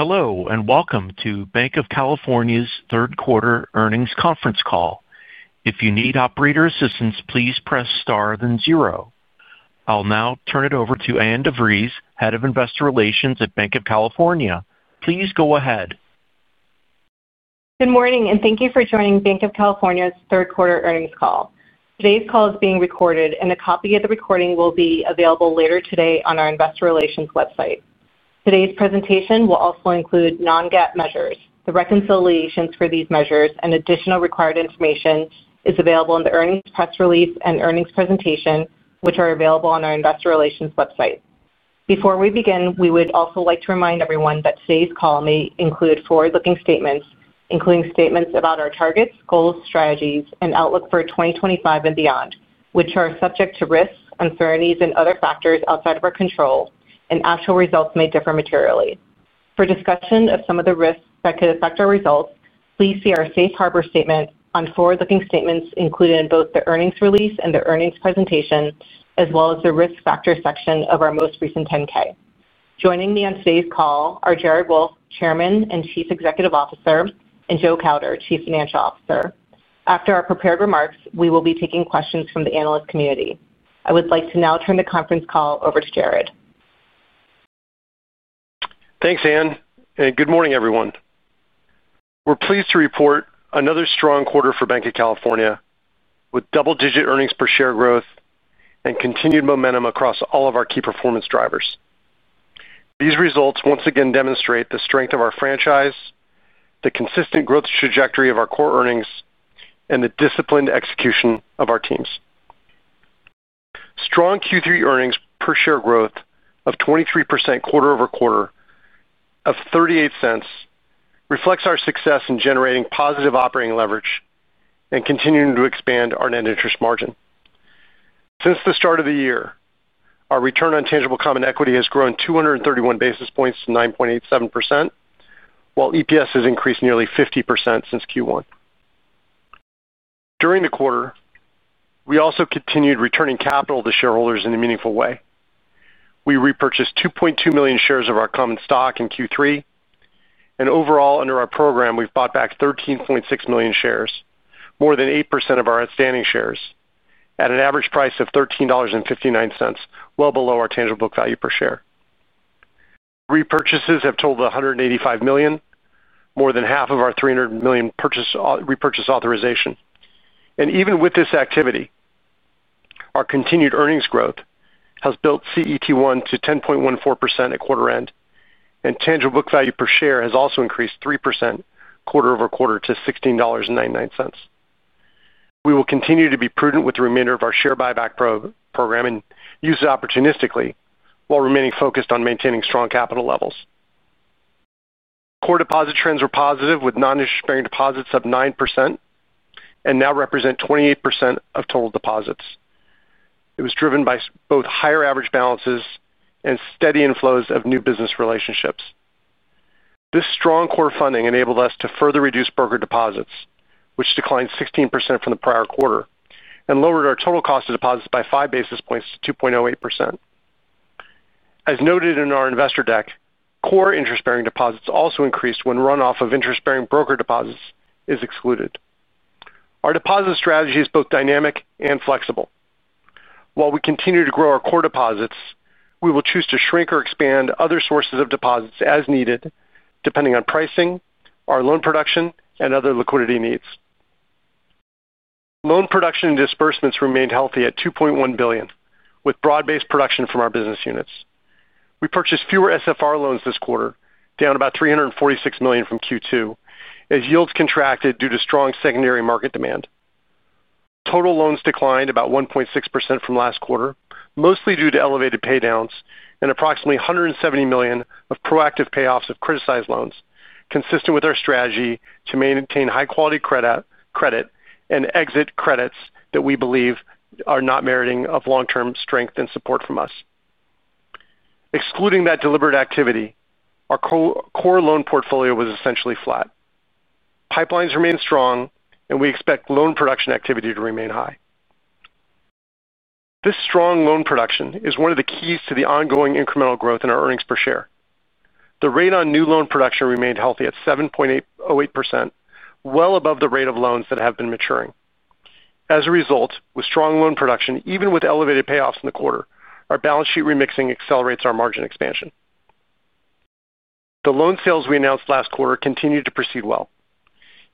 Hello, and welcome to Banc of California's third quarter earnings conference call. If you need operator assistance, please press star then zero. I'll now turn it over to Ann DeVries, Head of Investor Relations at Banc of California. Please go ahead. Good morning, and thank you for joining Banc of California's third quarter earnings call. Today's call is being recorded, and a copy of the recording will be available later today on our investor relations website. Today's presentation will also include non-GAAP measures. The reconciliations for these measures and additional required information are available in the earnings press release and earnings presentation, which are available on our investor relations website. Before we begin, we would also like to remind everyone that today's call may include forward-looking statements, including statements about our targets, goals, strategies, and outlook for 2025 and beyond, which are subject to risks, uncertainties, and other factors outside of our control, and actual results may differ materially. For discussion of some of the risks that could affect our results, please see our safe harbor statement on forward-looking statements included in both the earnings release and the earnings presentation, as well as the risk factor section of our most recent 10-K. Joining me on today's call are Jared Wolff, Chairman and Chief Executive Officer, and Joe Kauder, Chief Financial Officer. After our prepared remarks, we will be taking questions from the analyst community. I would like to now turn the conference call over to Jared. Thanks, Ann, and good morning, everyone. We're pleased to report another strong quarter for Banc of California, with double-digit earnings per share growth and continued momentum across all of our key performance drivers. These results once again demonstrate the strength of our franchise, the consistent growth trajectory of our core earnings, and the disciplined execution of our teams. Strong Q3 earnings per share growth of 23% quarter over quarter at $0.38 reflects our success in generating positive operating leverage and continuing to expand our net interest margin. Since the start of the year, our return on tangible common equity has grown 231 basis points to 9.87%, while EPS has increased nearly 50% since Q1. During the quarter, we also continued returning capital to shareholders in a meaningful way. We repurchased 2.2 million shares of our common stock in Q3, and overall, under our program, we've bought back 13.6 million shares, more than 8% of our outstanding shares, at an average price of $13.59, well below our tangible book value per share. Repurchases have totaled $185 million, more than half of our $300 million repurchase authorization. Even with this activity, our continued earnings growth has built CET1 to 10.14% at quarter end, and tangible book value per share has also increased 3% quarter over quarter to $16.99. We will continue to be prudent with the remainder of our share buyback program and use it opportunistically while remaining focused on maintaining strong capital levels. Core deposit trends were positive, with non-interest-bearing deposits of 9% and now represent 28% of total deposits. It was driven by both higher average balances and steady inflows of new business relationships. This strong core funding enabled us to further reduce brokered deposits, which declined 16% from the prior quarter and lowered our total cost of deposits by 5 basis points to 2.08%. As noted in our investor deck, core interest-bearing deposits also increased when runoff of interest-bearing brokered deposits is excluded. Our deposit strategy is both dynamic and flexible. While we continue to grow our core deposits, we will choose to shrink or expand other sources of deposits as needed, depending on pricing, our loan production, and other liquidity needs. Loan production and disbursements remained healthy at $2.1 billion, with broad-based production from our business units. We purchased fewer SFR loans this quarter, down about $346 million from Q2, as yields contracted due to strong secondary market demand. Total loans declined about 1.6% from last quarter, mostly due to elevated paydowns and approximately $170 million of proactive payoffs of criticized loans, consistent with our strategy to maintain high-quality credit and exit credits that we believe are not meriting long-term strength and support from us. Excluding that deliberate activity, our core loan portfolio was essentially flat. Pipelines remain strong, and we expect loan production activity to remain high. This strong loan production is one of the keys to the ongoing incremental growth in our earnings per share. The rate on new loan production remained healthy at 7.08%, well above the rate of loans that have been maturing. As a result, with strong loan production, even with elevated payoffs in the quarter, our balance sheet remixing accelerates our margin expansion. The loan sales we announced last quarter continued to proceed well.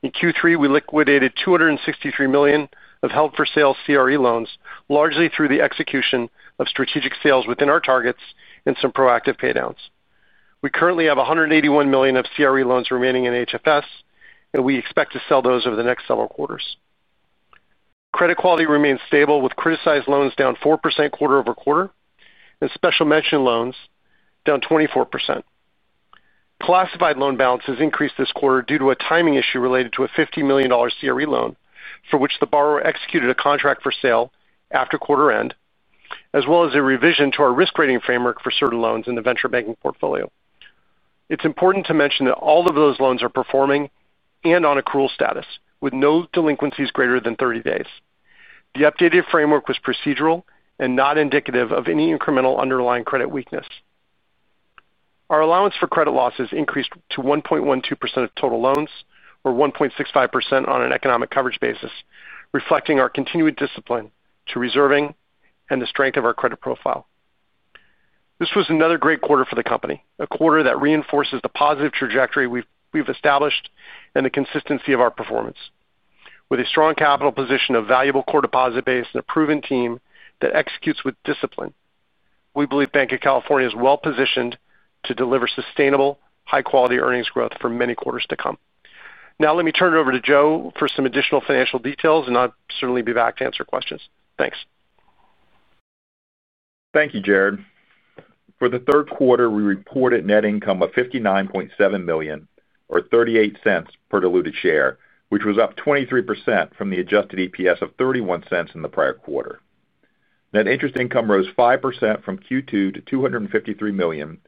In Q3, we liquidated $263 million of held for sale CRE loans, largely through the execution of strategic sales within our targets and some proactive paydowns. We currently have $181 million of CRE loans remaining in HFS, and we expect to sell those over the next several quarters. Credit quality remains stable, with criticized loans down 4% quarter over quarter and special mention loans down 24%. Classified loan balances increased this quarter due to a timing issue related to a $50 million CRE loan for which the borrower executed a contract for sale after quarter end, as well as a revision to our risk rating framework for certain loans in the venture banking portfolio. It's important to mention that all of those loans are performing and on accrual status, with no delinquencies greater than 30 days. The updated framework was procedural and not indicative of any incremental underlying credit weakness. Our allowance for credit losses increased to 1.12% of total loans, or 1.65% on an economic coverage basis, reflecting our continued discipline to reserving and the strength of our credit profile. This was another great quarter for the company, a quarter that reinforces the positive trajectory we've established and the consistency of our performance. With a strong capital position, a valuable core deposit base, and a proven team that executes with discipline, we believe Banc of California is well positioned to deliver sustainable, high-quality earnings growth for many quarters to come. Now, let me turn it over to Joe for some additional financial details, and I'll certainly be back to answer questions. Thanks. Thank you, Jared. For the third quarter, we reported net income of $59.7 million, or $0.38 per diluted share, which was up 23% from the adjusted EPS of $0.31 in the prior quarter. Net interest income rose 5% from Q2 to $253 million,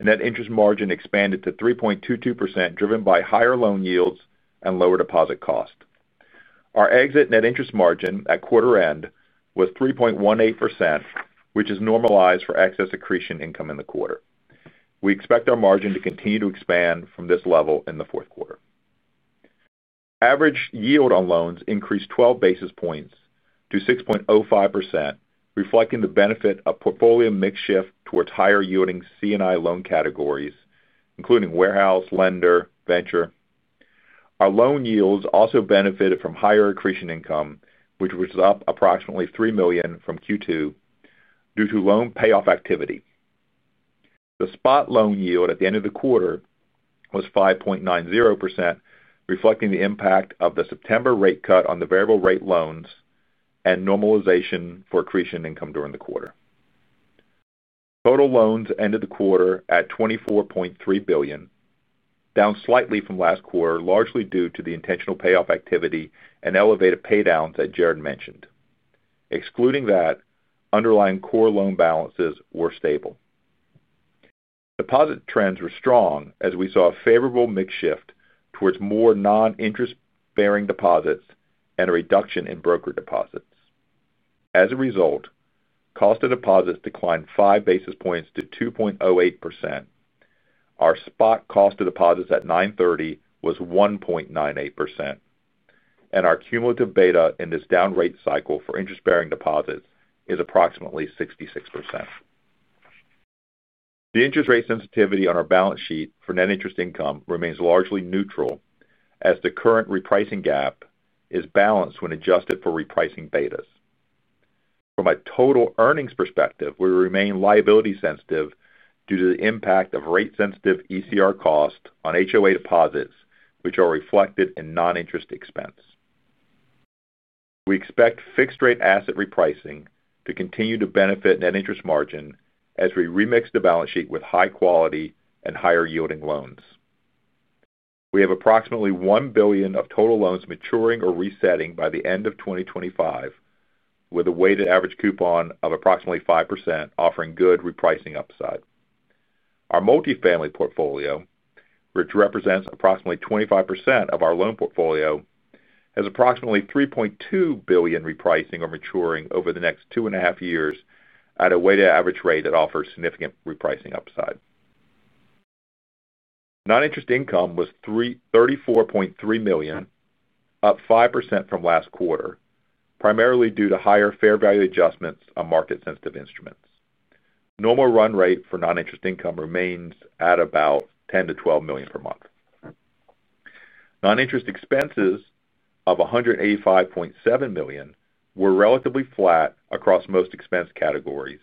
and net interest margin expanded to 3.22%, driven by higher loan yields and lower deposit cost. Our exit net interest margin at quarter end was 3.18%, which is normalized for excess accretion income in the quarter. We expect our margin to continue to expand from this level in the fourth quarter. Average yield on loans increased 12 basis points to 6.05%, reflecting the benefit of portfolio mix shift towards higher yielding CNI loan categories, including warehouse, lender, venture. Our loan yields also benefited from higher accretion income, which was up approximately $3 million from Q2 due to loan payoff activity. The spot loan yield at the end of the quarter was 5.90%, reflecting the impact of the September rate cut on the variable rate loans and normalization for accretion income during the quarter. Total loans ended the quarter at $24.3 billion, down slightly from last quarter, largely due to the intentional payoff activity and elevated paydowns that Jared mentioned. Excluding that, underlying core loan balances were stable. Deposit trends were strong, as we saw a favorable mix shift towards more non-interest-bearing deposits and a reduction in brokered deposits. As a result, cost of deposits declined 5 basis points to 2.08%. Our spot cost of deposits at 9:30 was 1.98%, and our cumulative beta in this down rate cycle for interest-bearing deposits is approximately 66%. The interest rate sensitivity on our balance sheet for net interest income remains largely neutral, as the current repricing gap is balanced when adjusted for repricing betas. From a total earnings perspective, we remain liability sensitive due to the impact of rate-sensitive ECR costs on HOA deposits, which are reflected in non-interest expense. We expect fixed-rate asset repricing to continue to benefit net interest margin as we remix the balance sheet with high-quality and higher-yielding loans. We have approximately $1 billion of total loans maturing or resetting by the end of 2025, with a weighted average coupon of approximately 5%, offering good repricing upside. Our multifamily portfolio, which represents approximately 25% of our loan portfolio, has approximately $3.2 billion repricing or maturing over the next two and a half years at a weighted average rate that offers significant repricing upside. Non-interest income was $34.3 million, up 5% from last quarter, primarily due to higher fair value adjustments on market-sensitive instruments. Normal run rate for non-interest income remains at about $10-$12 million per month. Non-interest expenses of $185.7 million were relatively flat across most expense categories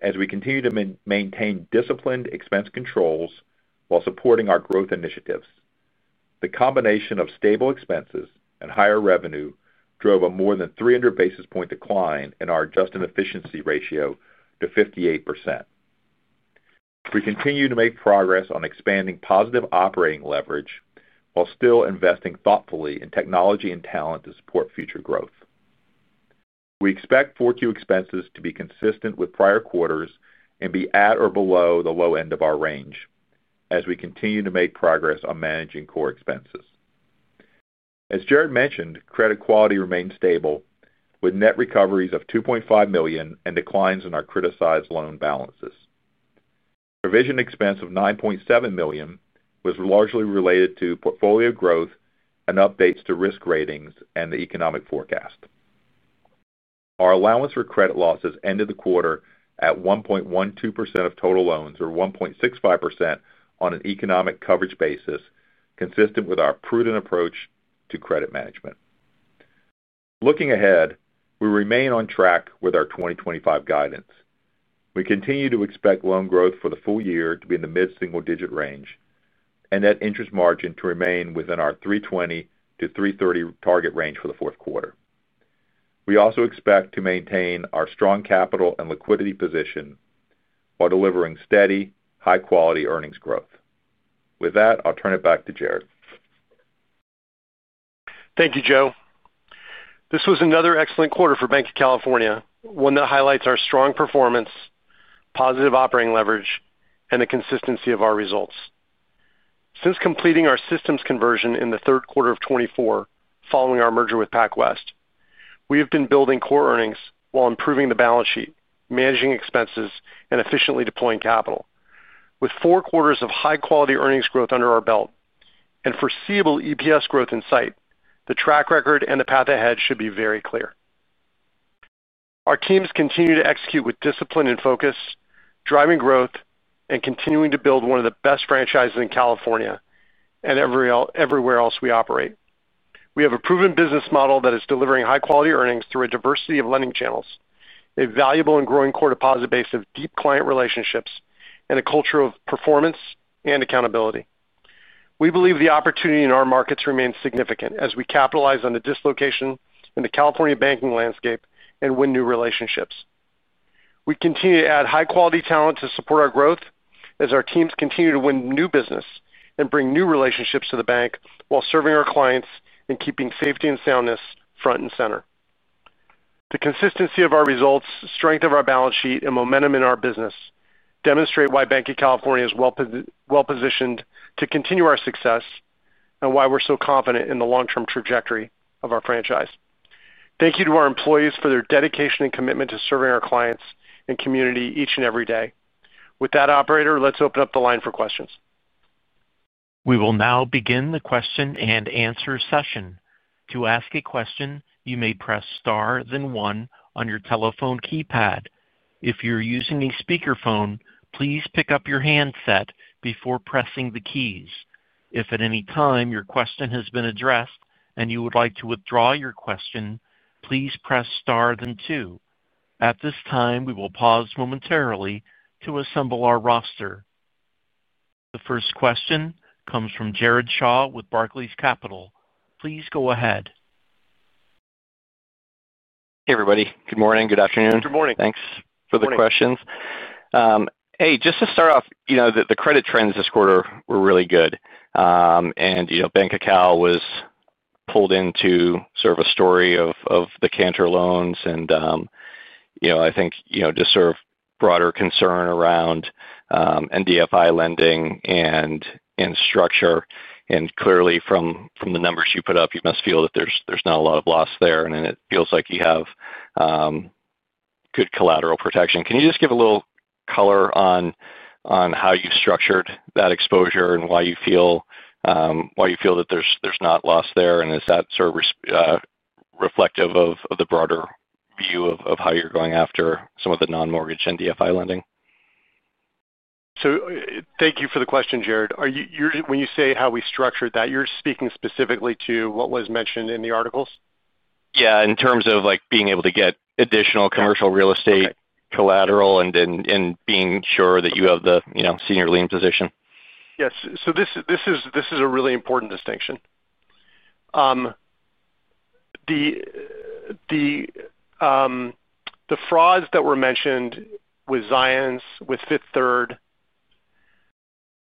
as we continue to maintain disciplined expense controls while supporting our growth initiatives. The combination of stable expenses and higher revenue drove a more than 300 basis point decline in our adjusted efficiency ratio to 58%. We continue to make progress on expanding positive operating leverage while still investing thoughtfully in technology and talent to support future growth. We expect forecue expenses to be consistent with prior quarters and be at or below the low end of our range as we continue to make progress on managing core expenses. As Jared mentioned, credit quality remains stable with net recoveries of $2.5 million and declines in our criticized loan balances. The provision expense of $9.7 million was largely related to portfolio growth and updates to risk ratings and the economic forecast. Our allowance for credit losses ended the quarter at 1.12% of total loans, or 1.65% on an economic coverage basis, consistent with our prudent approach to credit management. Looking ahead, we remain on track with our 2025 guidance. We continue to expect loan growth for the full year to be in the mid-single-digit range and net interest margin to remain within our 3.20%-3.30% target range for the fourth quarter. We also expect to maintain our strong capital and liquidity position while delivering steady, high-quality earnings growth. With that, I'll turn it back to Jared. Thank you, Joe. This was another excellent quarter for Banc of California, one that highlights our strong performance, positive operating leverage, and the consistency of our results. Since completing our systems conversion in the third quarter of 2024, following our merger with PacWest, we have been building core earnings while improving the balance sheet, managing expenses, and efficiently deploying capital. With four quarters of high-quality earnings growth under our belt and foreseeable EPS growth in sight, the track record and the path ahead should be very clear. Our teams continue to execute with discipline and focus, driving growth and continuing to build one of the best franchises in California and everywhere else we operate. We have a proven business model that is delivering high-quality earnings through a diversity of lending channels, a valuable and growing core deposit base of deep client relationships, and a culture of performance and accountability. We believe the opportunity in our markets remains significant as we capitalize on the dislocation in the California banking landscape and win new relationships. We continue to add high-quality talent to support our growth as our teams continue to win new business and bring new relationships to the bank while serving our clients and keeping safety and soundness front and center. The consistency of our results, strength of our balance sheet, and momentum in our business demonstrate why Banc of California is well positioned to continue our success and why we're so confident in the long-term trajectory of our franchise. Thank you to our employees for their dedication and commitment to serving our clients and community each and every day. With that, operator, let's open up the line for questions. We will now begin the question and answer session. To ask a question, you may press star, then one on your telephone keypad. If you're using a speakerphone, please pick up your handset before pressing the keys. If at any time your question has been addressed and you would like to withdraw your question, please press star, then two. At this time, we will pause momentarily to assemble our roster. The first question comes from Jared Shaw with Barclays Capital. Please go ahead. Hey, everybody. Good morning. Good afternoon. Good morning. Thanks for the questions. Hey, just to start off, you know that the credit trends this quarter were really good. You know Banc of California was pulled into sort of a story of the Cantor loans. I think you know just sort of broader concern around NDFI lending and structure. Clearly, from the numbers you put up, you must feel that there's not a lot of loss there. It feels like you have good collateral protection. Can you just give a little color on how you structured that exposure and why you feel that there's not loss there? Is that sort of reflective of the broader view of how you're going after some of the non-mortgage NDFI lending? Thank you for the question, Jared. When you say how we structured that, you're speaking specifically to what was mentioned in the articles? Yeah, in terms of being able to get additional commercial real estate collateral and being sure that you have the, you know, senior lien position. Yes. This is a really important distinction. The frauds that were mentioned with Zions, with Fifth Third,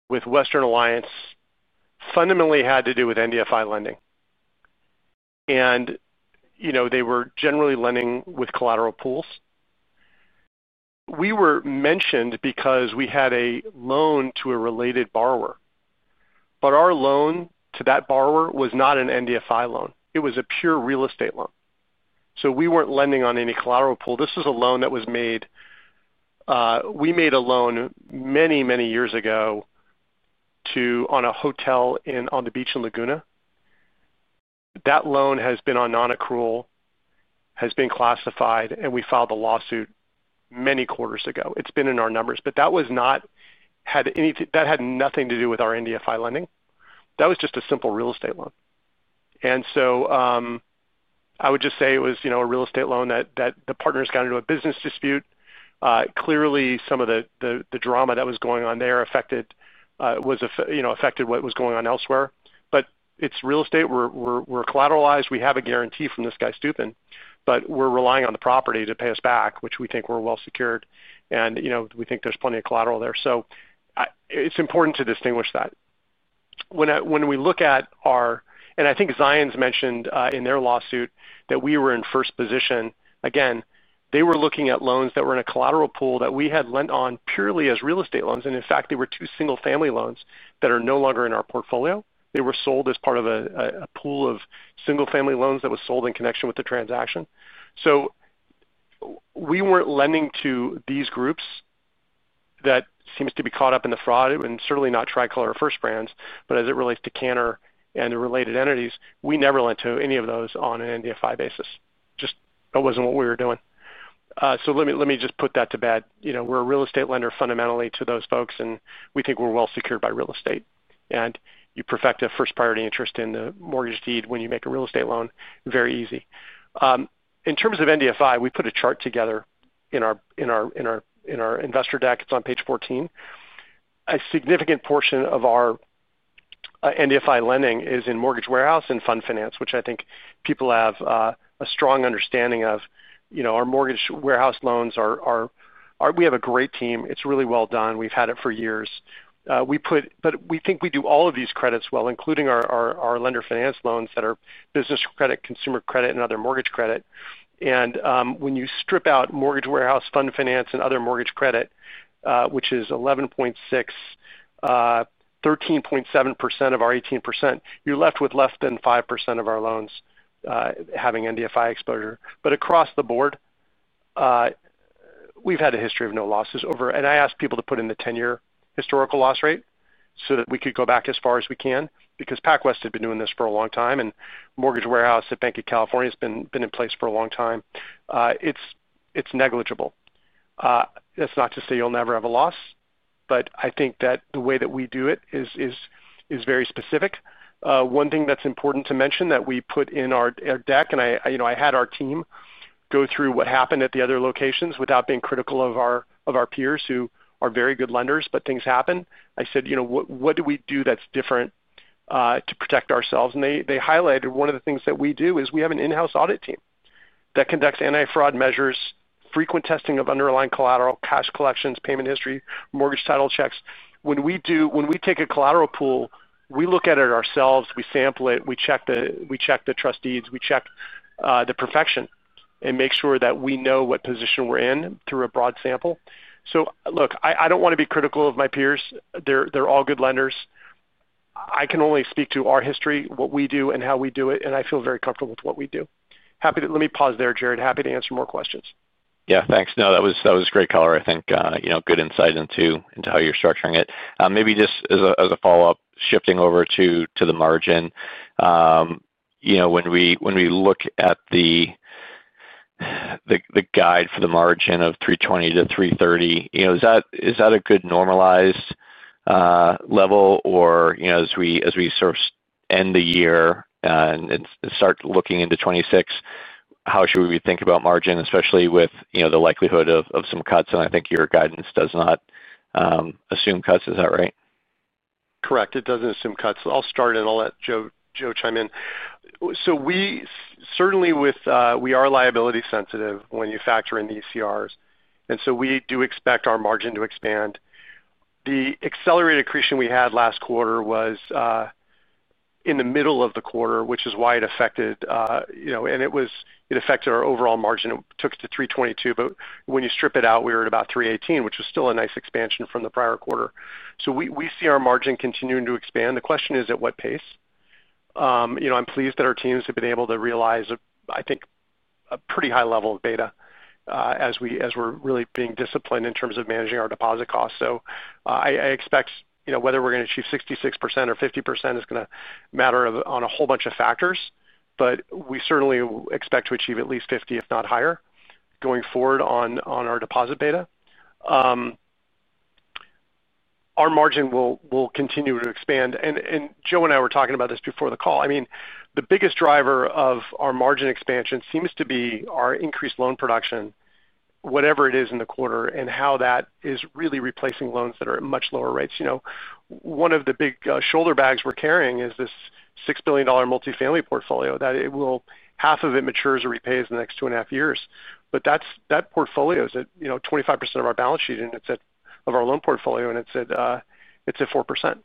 with Western Alliance fundamentally had to do with NDFI lending. They were generally lending with collateral pools. We were mentioned because we had a loan to a related borrower. Our loan to that borrower was not an NDFI loan. It was a pure real estate loan. We were not lending on any collateral pool. This was a loan that was made many, many years ago on a hotel on the beach in Laguna. That loan has been on non-accrual, has been classified, and we filed a lawsuit many quarters ago. It's been in our numbers. That had nothing to do with our NDFI lending. That was just a simple real estate loan. I would just say it was a real estate loan that the partners got into a business dispute. Clearly, some of the drama that was going on there affected what was going on elsewhere. It's real estate. We are collateralized. We have a guarantee from this guy, Steuben, but we are relying on the property to pay us back, which we think we are well secured. We think there's plenty of collateral there. It's important to distinguish that. When we look at our, and I think Zions mentioned in their lawsuit that we were in first position. They were looking at loans that were in a collateral pool that we had lent on purely as real estate loans. In fact, they were two single-family loans that are no longer in our portfolio. They were sold as part of a pool of single-family loans that was sold in connection with the transaction. We were not lending to these groups that seem to be caught up in the fraud and certainly not Tricolor or First Brands. As it relates to Cantor and the related entities, we never lent to any of those on an NDFI basis. That was not what we were doing. Let me just put that to bed. We are a real estate lender fundamentally to those folks, and we think we are well secured by real estate. You perfect a first-priority interest in the mortgage deed when you make a real estate loan, very easy. In terms of NDFI, we put a chart together in our investor deck. It's on page 14. A significant portion of our NDFI lending is in mortgage warehouse and fund finance, which I think people have a strong understanding of. Our mortgage warehouse loans are, we have a great team. It's really well done. We've had it for years. We think we do all of these credits well, including our lender finance loans that are business credit, consumer credit, and other mortgage credit. When you strip out mortgage warehouse, fund finance, and other mortgage credit, which is 11.6%, 13.7% of our 18%, you're left with less than 5% of our loans having NDFI exposure. Across the board, we've had a history of no losses over. I asked people to put in the 10-year historical loss rate so that we could go back as far as we can, because PacWest has been doing this for a long time, and mortgage warehouse at Banc of California has been in place for a long time. It's negligible. That's not to say you'll never have a loss, but I think that the way that we do it is very specific. One thing that's important to mention that we put in our deck, and I had our team go through what happened at the other locations without being critical of our peers who are very good lenders, but things happen. I said, you know what do we do that's different to protect ourselves? They highlighted one of the things that we do is we have an in-house audit team that conducts anti-fraud measures, frequent testing of underlying collateral, cash collections, payment history, mortgage title checks. When we take a collateral pool, we look at it ourselves. We sample it. We check the trust deeds. We check the perfection and make sure that we know what position we're in through a broad sample. I don't want to be critical of my peers. They're all good lenders. I can only speak to our history, what we do, and how we do it. I feel very comfortable with what we do. Let me pause there, Jared. Happy to answer more questions. Yeah, thanks. That was great color, I think. Good insight into how you're structuring it. Maybe just as a follow-up, shifting over to the margin. When we look at the guide for the margin of 3.20%-3.30%, is that a good normalized level? As we sort of end the year and start looking into 2026, how should we be thinking about margin, especially with the likelihood of some cuts? I think your guidance does not assume cuts. Is that right? Correct. It doesn't assume cuts. I'll start, and I'll let Joe chime in. We certainly are liability sensitive when you factor in the ECRs, and we do expect our margin to expand. The accelerated accretion we had last quarter was in the middle of the quarter, which is why it affected our overall margin. It took it to 3.22%. When you strip it out, we were at about 3.18%, which was still a nice expansion from the prior quarter. We see our margin continuing to expand. The question is at what pace. I'm pleased that our teams have been able to realize, I think, a pretty high level of beta as we're really being disciplined in terms of managing our deposit costs. I expect whether we're going to achieve 66% or 50% is going to matter on a whole bunch of factors. We certainly expect to achieve at least 50%, if not higher, going forward on our deposit beta. Our margin will continue to expand. Joe and I were talking about this before the call. The biggest driver of our margin expansion seems to be our increased loan production, whatever it is in the quarter, and how that is really replacing loans that are at much lower rates. One of the big shoulder bags we're carrying is this $6 billion multifamily loan portfolio that half of it matures or repays in the next two and a half years. That portfolio is at 25% of our balance sheet, and it's of our loan portfolio, and it's at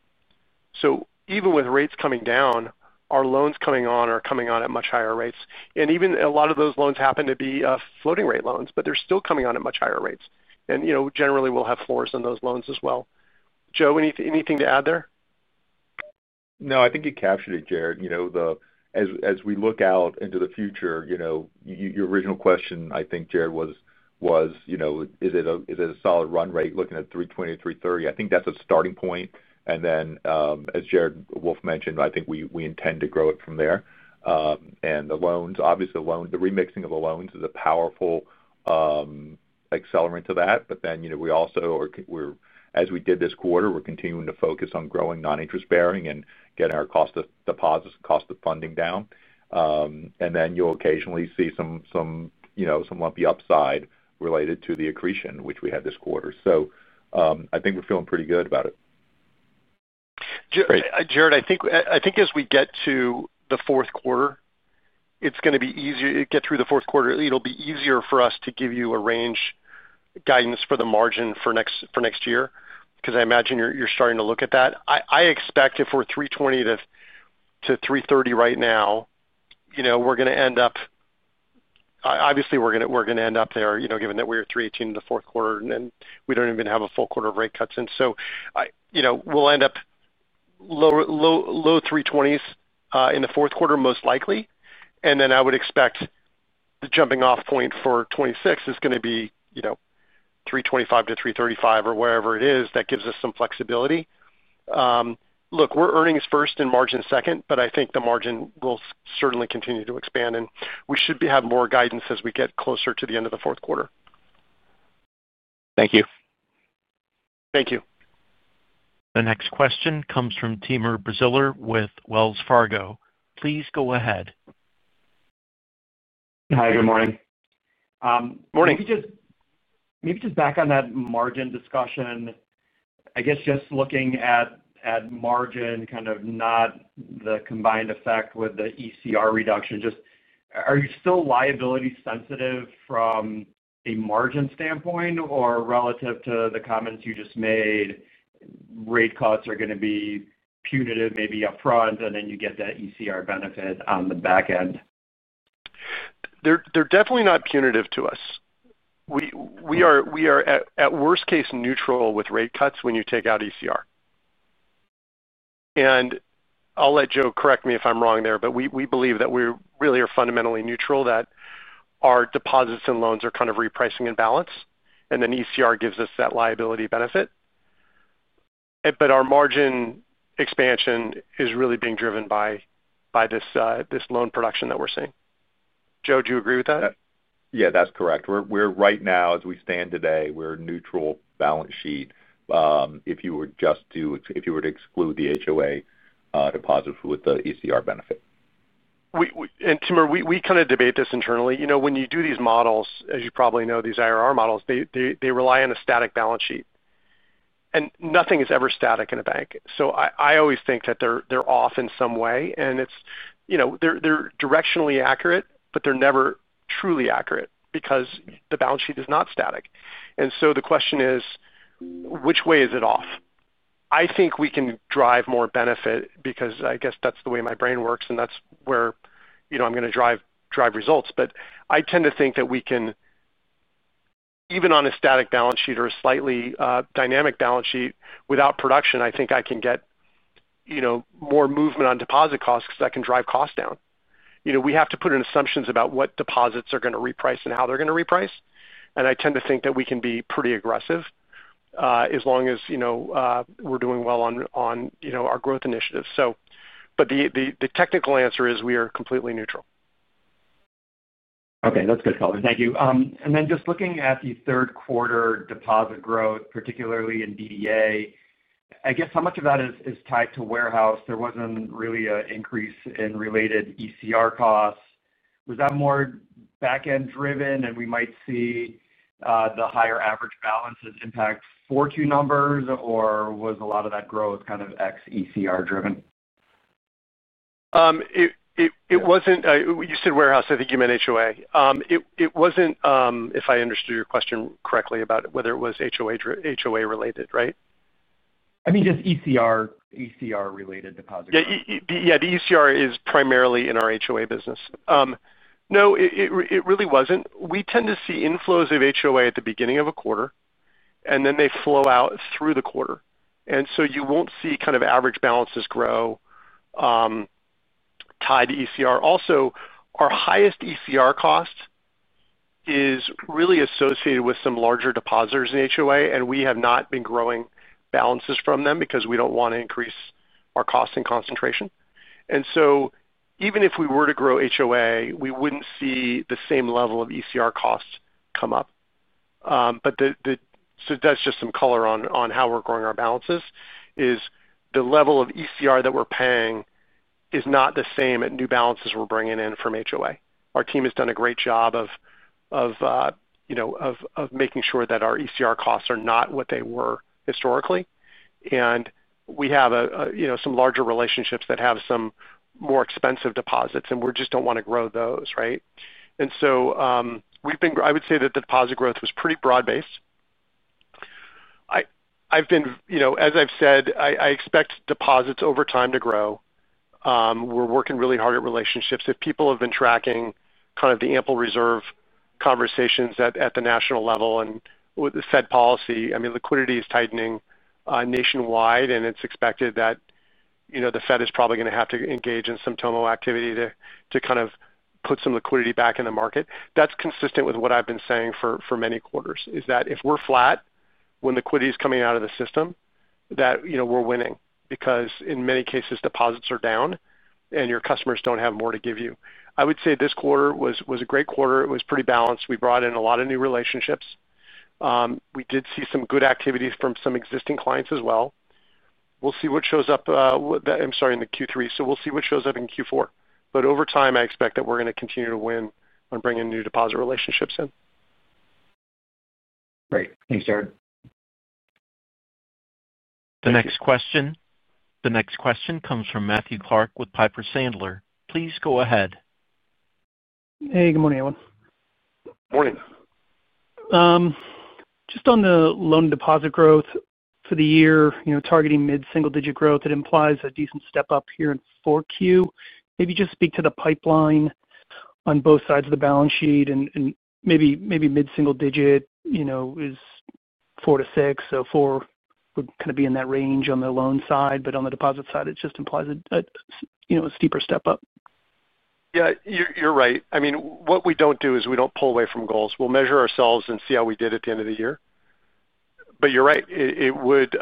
4%. Even with rates coming down, our loans coming on are coming on at much higher rates. Even a lot of those loans happen to be floating rate loans, but they're still coming on at much higher rates. Generally, we'll have floors in those loans as well. Joe, anything to add there? No, I think you captured it, Jared. As we look out into the future, your original question, I think, Jared, was, is it a solid run rate looking at $320-$330? I think that's a starting point. As Jared Wolff mentioned, I think we intend to grow it from there. The loans, obviously, the remixing of the loans is a powerful accelerant to that. We also, as we did this quarter, are continuing to focus on growing non-interest-bearing and getting our cost of deposits, cost of funding down. You'll occasionally see some lumpy upside related to the accretion, which we had this quarter. I think we're feeling pretty good about it. Jared, I think as we get to the fourth quarter, it's going to be easier to get through the fourth quarter. It'll be easier for us to give you a range guidance for the margin for next year because I imagine you're starting to look at that. I expect if we're $320-$330 right now, you know we're going to end up obviously, we're going to end up there, you know given that we are 318 in the fourth quarter and we don't even have a full quarter of rate cuts in. You know we'll end up low 320s in the fourth quarter, most likely. I would expect the jumping-off point for 2026 is going to be $325-$335 or wherever it is. That gives us some flexibility. Look, we're earnings first and margin second, but I think the margin will certainly continue to expand. We should have more guidance as we get closer to the end of the fourth quarter. Thank you. Thank you. The next question comes from Timur Braziller with Wells Fargo. Please go ahead. Hi, good morning. Morning. Maybe just back on that margin discussion, I guess just looking at margin, kind of not the combined effect with the ECR reduction. Are you still liability sensitive from a margin standpoint or relative to the comments you just made? Rate cuts are going to be punitive maybe upfront, and then you get that ECR benefit on the back end. They're definitely not punitive to us. We are at worst case neutral with rate cuts when you take out ECR. I'll let Joe correct me if I'm wrong there, but we believe that we really are fundamentally neutral, that our deposits and loans are kind of repricing in balance, and ECR gives us that liability benefit. Our margin expansion is really being driven by this loan production that we're seeing. Joe, do you agree with that? Yeah, that's correct. Right now, as we stand today, we're neutral balance sheet if you were to exclude the HOA deposits with the ECR benefit. Timur, we kind of debate this internally. You know when you do these models, as you probably know, these IRR models, they rely on a static balance sheet. Nothing is ever static in a bank. I always think that they're off in some way. They're directionally accurate, but they're never truly accurate because the balance sheet is not static. The question is, which way is it off? I think we can drive more benefit because I guess that's the way my brain works, and that's where I'm going to drive results. I tend to think that we can, even on a static balance sheet or a slightly dynamic balance sheet without production, I think I can get more movement on deposit costs because I can drive costs down. We have to put in assumptions about what deposits are going to reprice and how they're going to reprice. I tend to think that we can be pretty aggressive as long as we're doing well on our growth initiatives. The technical answer is we are completely neutral. Okay, that's good color. Thank you. Just looking at the third quarter deposit growth, particularly in DDA, I guess how much of that is tied to warehouse? There wasn't really an increase in related ECR costs. Was that more back-end driven and we might see the higher average balances impact fourth quarter numbers, or was a lot of that growth kind of ex-ECR driven? You said warehouse. I think you meant HOA. It wasn't, if I understood your question correctly, about whether it was HOA related, right? I mean, just ECR-related deposit growth. Yeah, the ECR is primarily in our HOA business. No, it really wasn't. We tend to see inflows of HOA at the beginning of a quarter, and then they flow out through the quarter. You won't see kind of average balances grow tied to ECR. Also, our highest ECR cost is really associated with some larger depositors in HOA, and we have not been growing balances from them because we don't want to increase our cost and concentration. Even if we were to grow HOA, we wouldn't see the same level of ECR costs come up. That's just some color on how we're growing our balances. The level of ECR that we're paying is not the same at new balances we're bringing in from HOA. Our team has done a great job of making sure that our ECR costs are not what they were historically. We have some larger relationships that have some more expensive deposits, and we just don't want to grow those, right? We've been, I would say that the deposit growth was pretty broad-based. I've been, you know, as I've said, I expect deposits over time to grow. We're working really hard at relationships. If people have been tracking kind of the ample reserve conversations at the national level and with the Fed policy, I mean, liquidity is tightening nationwide, and it's expected that the Fed is probably going to have to engage in some TOMO activity to kind of put some liquidity back in the market. That's consistent with what I've been saying for many quarters, is that if we're flat when liquidity is coming out of the system, we're winning because in many cases, deposits are down and your customers don't have more to give you. I would say this quarter was a great quarter. It was pretty balanced. We brought in a lot of new relationships. We did see some good activity from some existing clients as well. We'll see what shows up in Q3. We'll see what shows up in Q4. Over time, I expect that we're going to continue to win on bringing new deposit relationships in. Great. Thanks, Jared. The next question comes from Matthew Clark with Piper Sandler. Please go ahead. Hey, good morning, everyone. Morning. Just on the loan deposit growth for the year, you know, targeting mid-single-digit growth, it implies a decent step up here in 4Q. Maybe just speak to the pipeline on both sides of the balance sheet and maybe mid-single-digit, you know, is 4%-6%. 4% would kind of be in that range on the loan side. On the deposit side, it just implies a, you know, a steeper step up. Yeah, you're right. I mean, what we don't do is we don't pull away from goals. We'll measure ourselves and see how we did at the end of the year. You're right, it would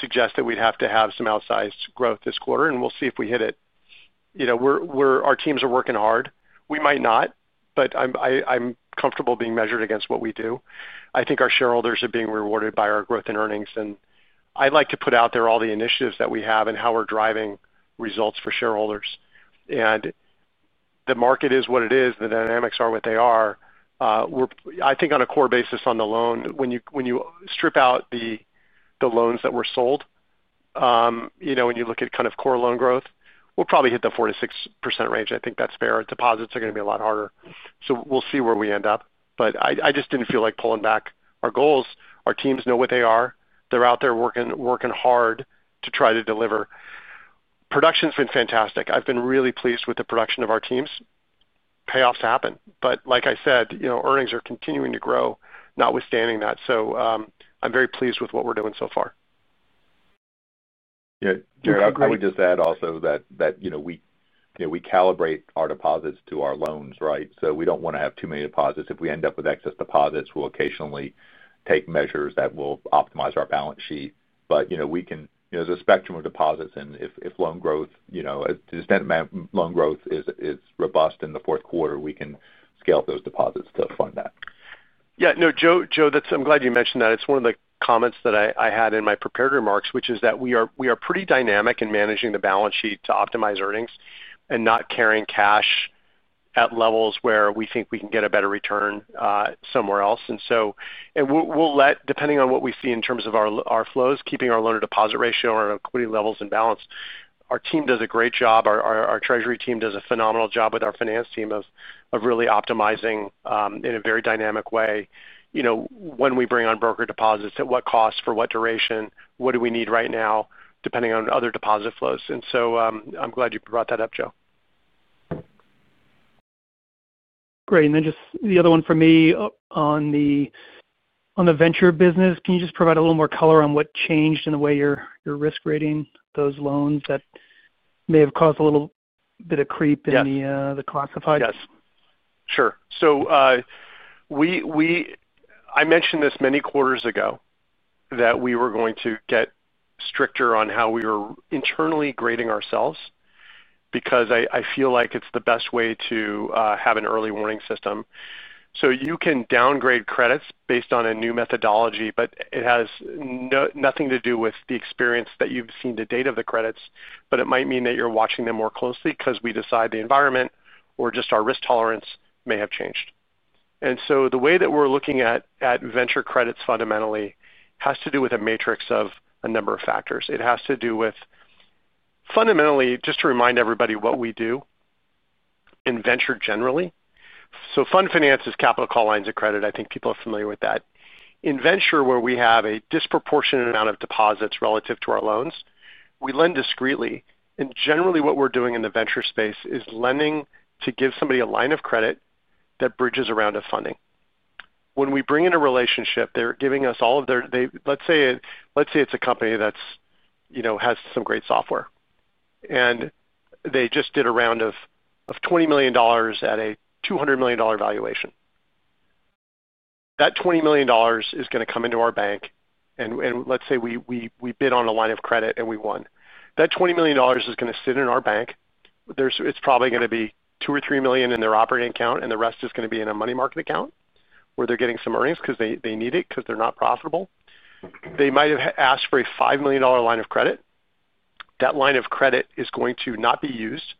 suggest that we'd have to have some outsized growth this quarter, and we'll see if we hit it. Our teams are working hard. We might not, but I'm comfortable being measured against what we do. I think our shareholders are being rewarded by our growth in earnings. I'd like to put out there all the initiatives that we have and how we're driving results for shareholders. The market is what it is. The dynamics are what they are. I think on a core basis on the loan, when you strip out the loans that were sold, when you look at kind of core loan growth, we'll probably hit the 4%-6% range. I think that's fair. Deposits are going to be a lot harder. We'll see where we end up. I just didn't feel like pulling back our goals. Our teams know what they are. They're out there working hard to try to deliver. Production's been fantastic. I've been really pleased with the production of our teams. Payoffs happen. Like I said, earnings are continuing to grow, notwithstanding that. I'm very pleased with what we're doing so far. Yeah, I would just add also that, you know, we calibrate our deposits to our loans, right? We don't want to have too many deposits. If we end up with excess deposits, we'll occasionally take measures that will optimize our balance sheet. You know, there's a spectrum of deposits, and if loan growth is robust in the fourth quarter, we can scale up those deposits to fund that. Yeah, no, Joe, I'm glad you mentioned that. It's one of the comments that I had in my prepared remarks, which is that we are pretty dynamic in managing the balance sheet to optimize earnings and not carrying cash at levels where we think we can get a better return somewhere else. We'll let, depending on what we see in terms of our flows, keeping our loan-to-deposit ratio and our equity levels in balance. Our team does a great job. Our treasury team does a phenomenal job with our finance team of really optimizing in a very dynamic way. You know, when we bring on brokered deposits, at what cost, for what duration, what do we need right now, depending on other deposit flows. I'm glad you brought that up, Joe. Great. Just the other one for me. On the venture business, can you just provide a little more color on what changed in the way you're risk rating those loans that may have caused a little bit of creep in the classified? Yes, sure. I mentioned this many quarters ago that we were going to get stricter on how we were internally grading ourselves because I feel like it's the best way to have an early warning system. You can downgrade credits based on a new methodology, but it has nothing to do with the experience that you've seen to date of the credits. It might mean that you're watching them more closely because we decide the environment or just our risk tolerance may have changed. The way that we're looking at venture credits fundamentally has to do with a matrix of a number of factors. It has to do with fundamentally, just to remind everybody what we do in venture generally. Fund finance is capital call lines of credit. I think people are familiar with that. In venture, where we have a disproportionate amount of deposits relative to our loans, we lend discreetly. Generally, what we're doing in the venture space is lending to give somebody a line of credit that bridges a round of funding. When we bring in a relationship, they're giving us all of their, let's say it's a company that has some great software, and they just did a round of $20 million at a $200 million valuation. That $20 million is going to come into our bank. Let's say we bid on a line of credit and we won. That $20 million is going to sit in our bank. It's probably going to be $2 million or $3 million in their operating account, and the rest is going to be in a money market account where they're getting some earnings because they need it because they're not profitable. They might have asked for a $5 million line of credit. That line of credit is going to not be used.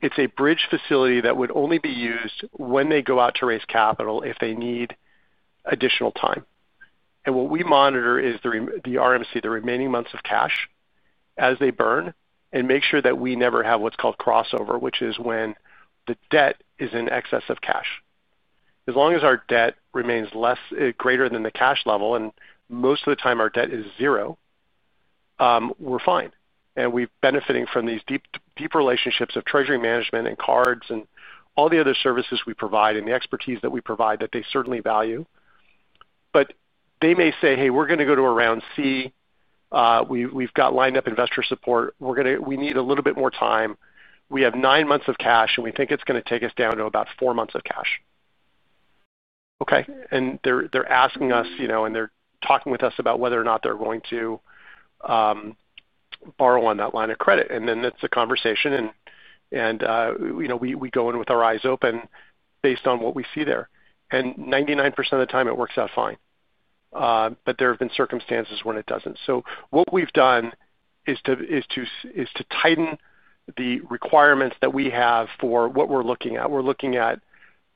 It's a bridge facility that would only be used when they go out to raise capital if they need additional time. What we monitor is the RMC, the remaining months of cash as they burn, and make sure that we never have what's called crossover, which is when the debt is in excess of cash. As long as our debt remains greater than the cash level, and most of the time our debt is zero, we're fine. We're benefiting from these deep relationships of treasury management and cards and all the other services we provide and the expertise that we provide that they certainly value. They may say, "Hey, we're going to go to a round C. We've got lined up investor support. We need a little bit more time. We have nine months of cash, and we think it's going to take us down to about four months of cash." Okay. They are asking us, you know, and they are talking with us about whether or not they are going to borrow on that line of credit. It is a conversation, and we go in with our eyes open based on what we see there. 99% of the time, it works out fine. There have been circumstances when it does not. What we have done is to tighten the requirements that we have for what we are looking at. We are looking at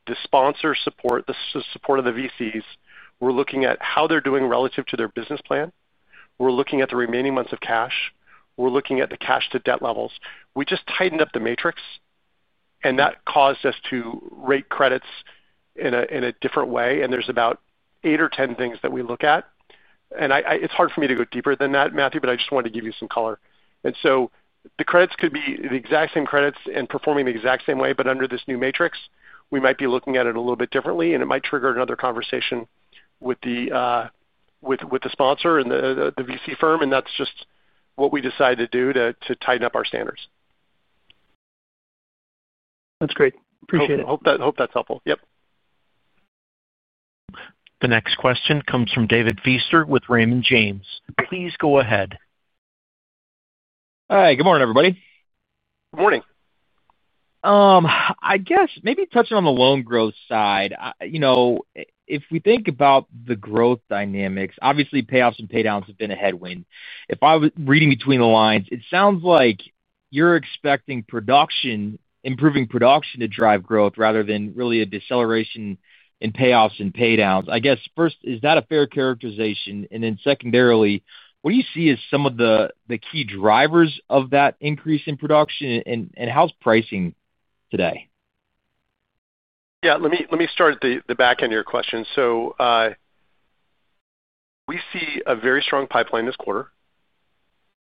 the sponsor support, the support of the VCs. We are looking at how they are doing relative to their business plan. We are looking at the remaining months of cash. We are looking at the cash-to-debt levels. We just tightened up the matrix, and that caused us to rate credits in a different way. There are about 8 or 10 things that we look at. It is hard for me to go deeper than that, Matthew, but I just wanted to give you some color. The credits could be the exact same credits and performing the exact same way, but under this new matrix, we might be looking at it a little bit differently, and it might trigger another conversation with the sponsor and the VC firm. That is just what we decide to do to tighten up our standards. That's great. Appreciate it. Hope that's helpful. Yep. The next question comes from David Feaster with Raymond James. Please go ahead. Hi, good morning, everybody. Good morning. I guess maybe touching on the loan growth side, you know, if we think about the growth dynamics, obviously payoffs and paydowns have been a headwind. If I was reading between the lines, it sounds like you're expecting improving production to drive growth rather than really a deceleration in payoffs and paydowns. I guess first, is that a fair characterization? Secondarily, what do you see as some of the key drivers of that increase in production, and how's pricing today? Let me start at the back end of your question. We see a very strong pipeline this quarter.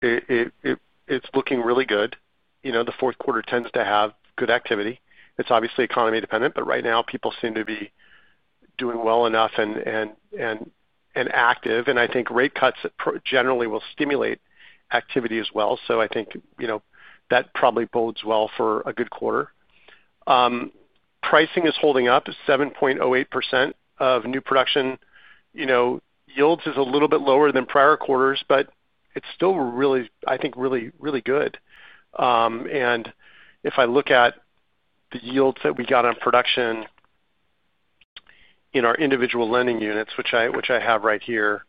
It's looking really good. The fourth quarter tends to have good activity. It's obviously economy dependent, but right now, people seem to be doing well enough and active. I think rate cuts generally will stimulate activity as well. I think that probably bodes well for a good quarter. Pricing is holding up. It's 7.08% of new production. Yields are a little bit lower than prior quarters, but it's still really, I think, really, really good. If I look at the yields that we got on production in our individual lending units, which I have right here,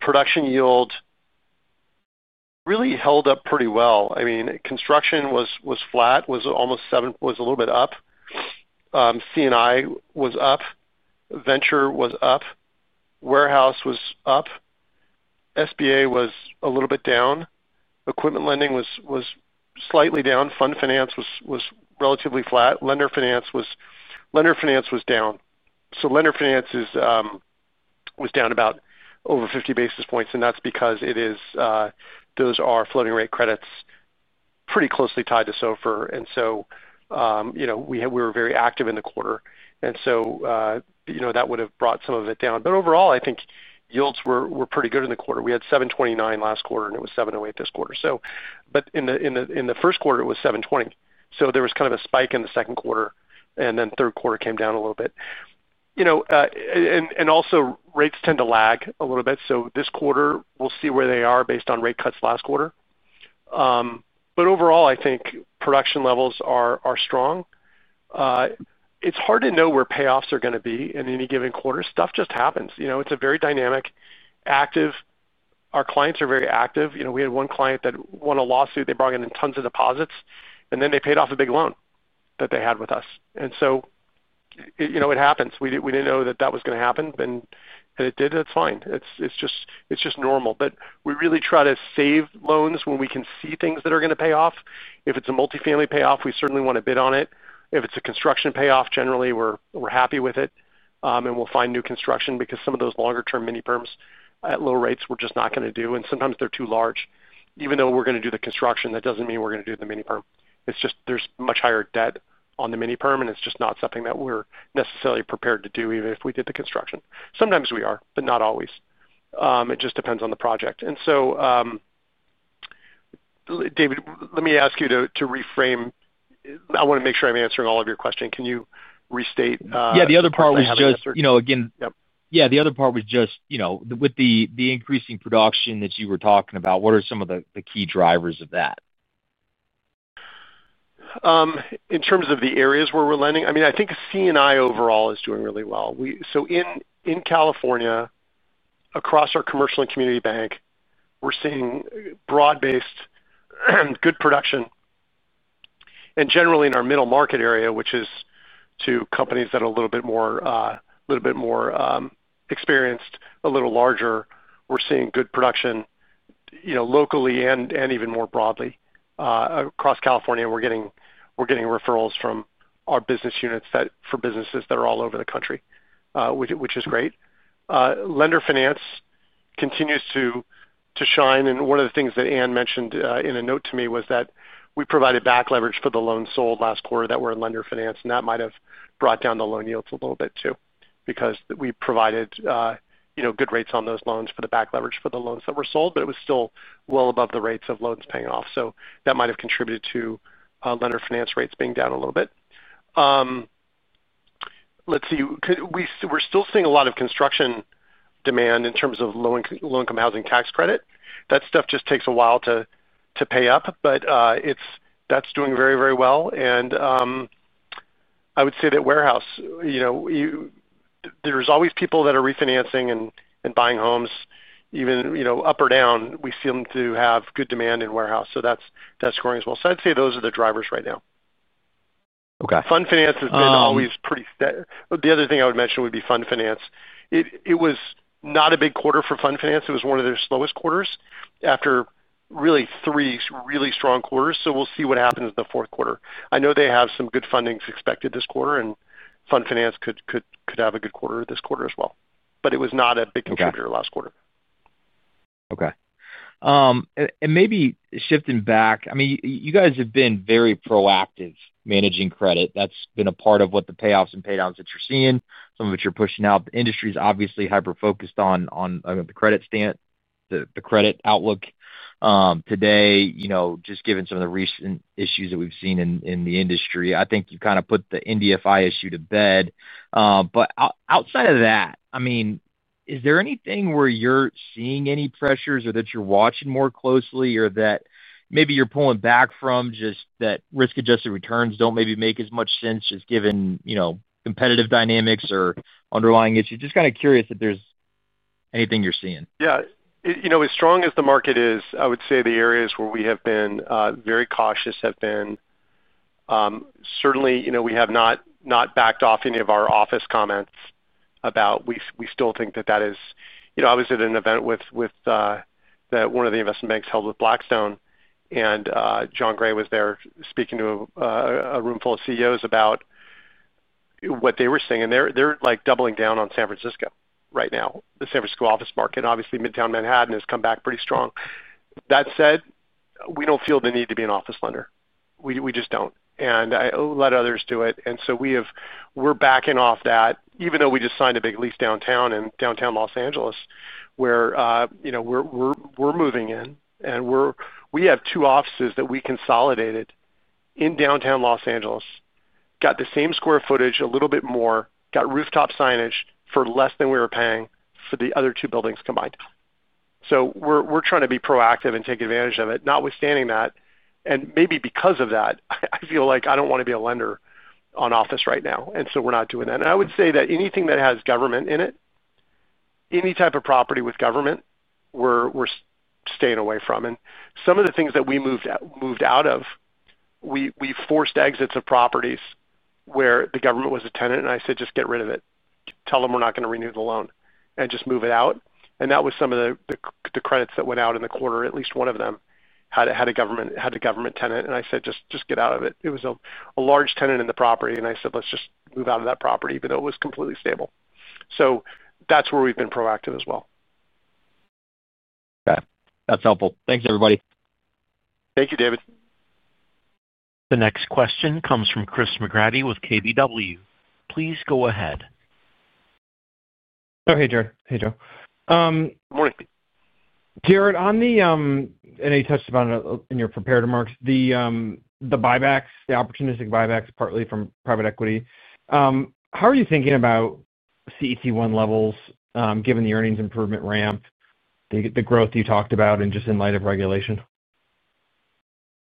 production yield really held up pretty well. Construction was flat, was almost seven, was a little bit up. CNI was up. Venture was up. Warehouse was up. SBA was a little bit down. Equipment lending was slightly down. Fund finance was relatively flat. Lender finance was down. Lender finance was down about over 50 basis points. That's because those are floating rate credits pretty closely tied to SOFR. We were very active in the quarter. That would have brought some of it down. Overall, I think yields were pretty good in the quarter. We had 7.29% last quarter, and it was 7.08% this quarter. In the first quarter, it was 7.20%. There was kind of a spike in the second quarter, and then third quarter came down a little bit. Rates tend to lag a little bit. This quarter, we'll see where they are based on rate cuts last quarter. Overall, I think production levels are strong. It's hard to know where payoffs are going to be in any given quarter. Stuff just happens. It's very dynamic, active. Our clients are very active. We had one client that won a lawsuit. They brought in tons of deposits, and then they paid off a big loan that they had with us. It happens. We didn't know that that was going to happen. It did. That's fine. It's just normal. We really try to save loans when we can see things that are going to pay off. If it's a multifamily payoff, we certainly want to bid on it. If it's a construction payoff, generally, we're happy with it. We'll find new construction because some of those longer-term mini perms at low rates, we're just not going to do. Sometimes they're too large. Even though we're going to do the construction, that doesn't mean we're going to do the mini perm. There's much higher debt on the mini perm, and it's just not something that we're necessarily prepared to do even if we did the construction. Sometimes we are, but not always. It just depends on the project. David, let me ask you to reframe. I want to make sure I'm answering all of your questions. Can you restate? Yeah, the other part was just, with the increasing production that you were talking about, what are some of the key drivers of that? In terms of the areas where we're lending, I mean, I think CNI overall is doing really well. In California, across our commercial and community bank, we're seeing broad-based good production. Generally, in our middle market area, which is to companies that are a little bit more, a little bit more experienced, a little larger, we're seeing good production, you know, locally and even more broadly. Across California, we're getting referrals from our business units for businesses that are all over the country, which is great. Lender finance continues to shine. One of the things that Ann DeVries mentioned in a note to me was that we provided back leverage for the loans sold last quarter that were in lender finance. That might have brought down the loan yields a little bit too because we provided, you know, good rates on those loans for the back leverage for the loans that were sold, but it was still well above the rates of loans paying off. That might have contributed to lender finance rates being down a little bit. We're still seeing a lot of construction demand in terms of low-income housing tax credit. That stuff just takes a while to pay up, but that's doing very, very well. I would say that warehouse, you know, there's always people that are refinancing and buying homes, even, you know, up or down. We see them to have good demand in warehouse. That's growing as well. I'd say those are the drivers right now. Okay. Fund finance. Has been always pretty set. The other thing I would mention would be fund finance. It was not a big quarter for fund finance. It was one of their slowest quarters after really three really strong quarters. We will see what happens in the fourth quarter. I know they have some good fundings expected this quarter, and fund finance could have a good quarter this quarter as well. It was not a big contributor last quarter. Okay. Maybe shifting back, you guys have been very proactive managing credit. That's been a part of what the payoffs and paydowns that you're seeing, some of which you're pushing out. The industry is obviously hyper-focused on the credit stance, the credit outlook. Today, just given some of the recent issues that we've seen in the industry, I think you've kind of put the NDFI issue to bed. Outside of that, is there anything where you're seeing any pressures or that you're watching more closely or that maybe you're pulling back from just that risk-adjusted returns don't maybe make as much sense just given, you know, competitive dynamics or underlying issues? Just kind of curious if there's anything you're seeing. Yeah. You know, as strong as the market is, I would say the areas where we have been very cautious have been. Certainly, you know, we have not backed off any of our office comments about we still think that that is, you know, I was at an event with one of the investment banks held with Blackstone, and John Gray was there speaking to a room full of CEOs about what they were seeing. They're like doubling down on San Francisco right now, the San Francisco office market. Obviously, Midtown Manhattan has come back pretty strong. That said, we don't feel the need to be an office lender. We just don't. I let others do it. We're backing off that, even though we just signed a big lease downtown in downtown Los Angeles, where you know we're moving in. We have two offices that we consolidated in downtown Los Angeles, got the same square footage, a little bit more, got rooftop signage for less than we were paying for the other two buildings combined. We're trying to be proactive and take advantage of it. Notwithstanding that, and maybe because of that, I feel like I don't want to be a lender on office right now. We're not doing that. I would say that anything that has government in it, any type of property with government, we're staying away from. Some of the things that we moved out of, we forced exits of properties where the government was a tenant. I said, "Just get rid of it. Tell them we're not going to renew the loan and just move it out." That was some of the credits that went out in the quarter. At least one of them had a government tenant. I said, "Just get out of it." It was a large tenant in the property. I said, "Let's just move out of that property." It was completely stable. That's where we've been proactive as well. Okay, that's helpful. Thanks, everybody. Thank you, David. The next question comes from Chris McGrady with KBW. Please go ahead. Oh, hey, Jared. Hey, Joe. Good morning. Jared, I touched upon it in your prepared remarks, the buybacks, the opportunistic buybacks partly from private equity. How are you thinking about CET1 levels, given the earnings improvement ramp, the growth you talked about, and just in light of regulation?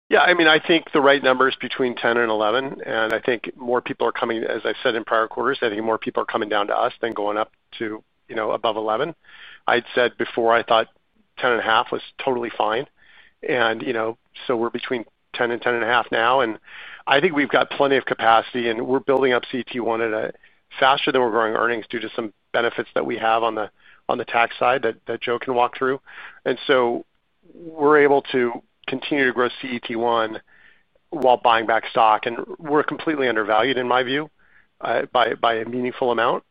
Yeah, I mean, I think the right number is between 10 and 11. I think more people are coming, as I said in prior quarters, I think more people are coming down to us than going up to, you know, above 11. I'd said before I thought 10.5 was totally fine. You know, so we're between 10 and 10.5 now. I think we've got plenty of capacity, and we're building up CET1 at a faster rate than we're growing earnings due to some benefits that we have on the tax side that Joe can walk through. We're able to continue to grow CET1 while buying back stock. We're completely undervalued, in my view, by a meaningful amount.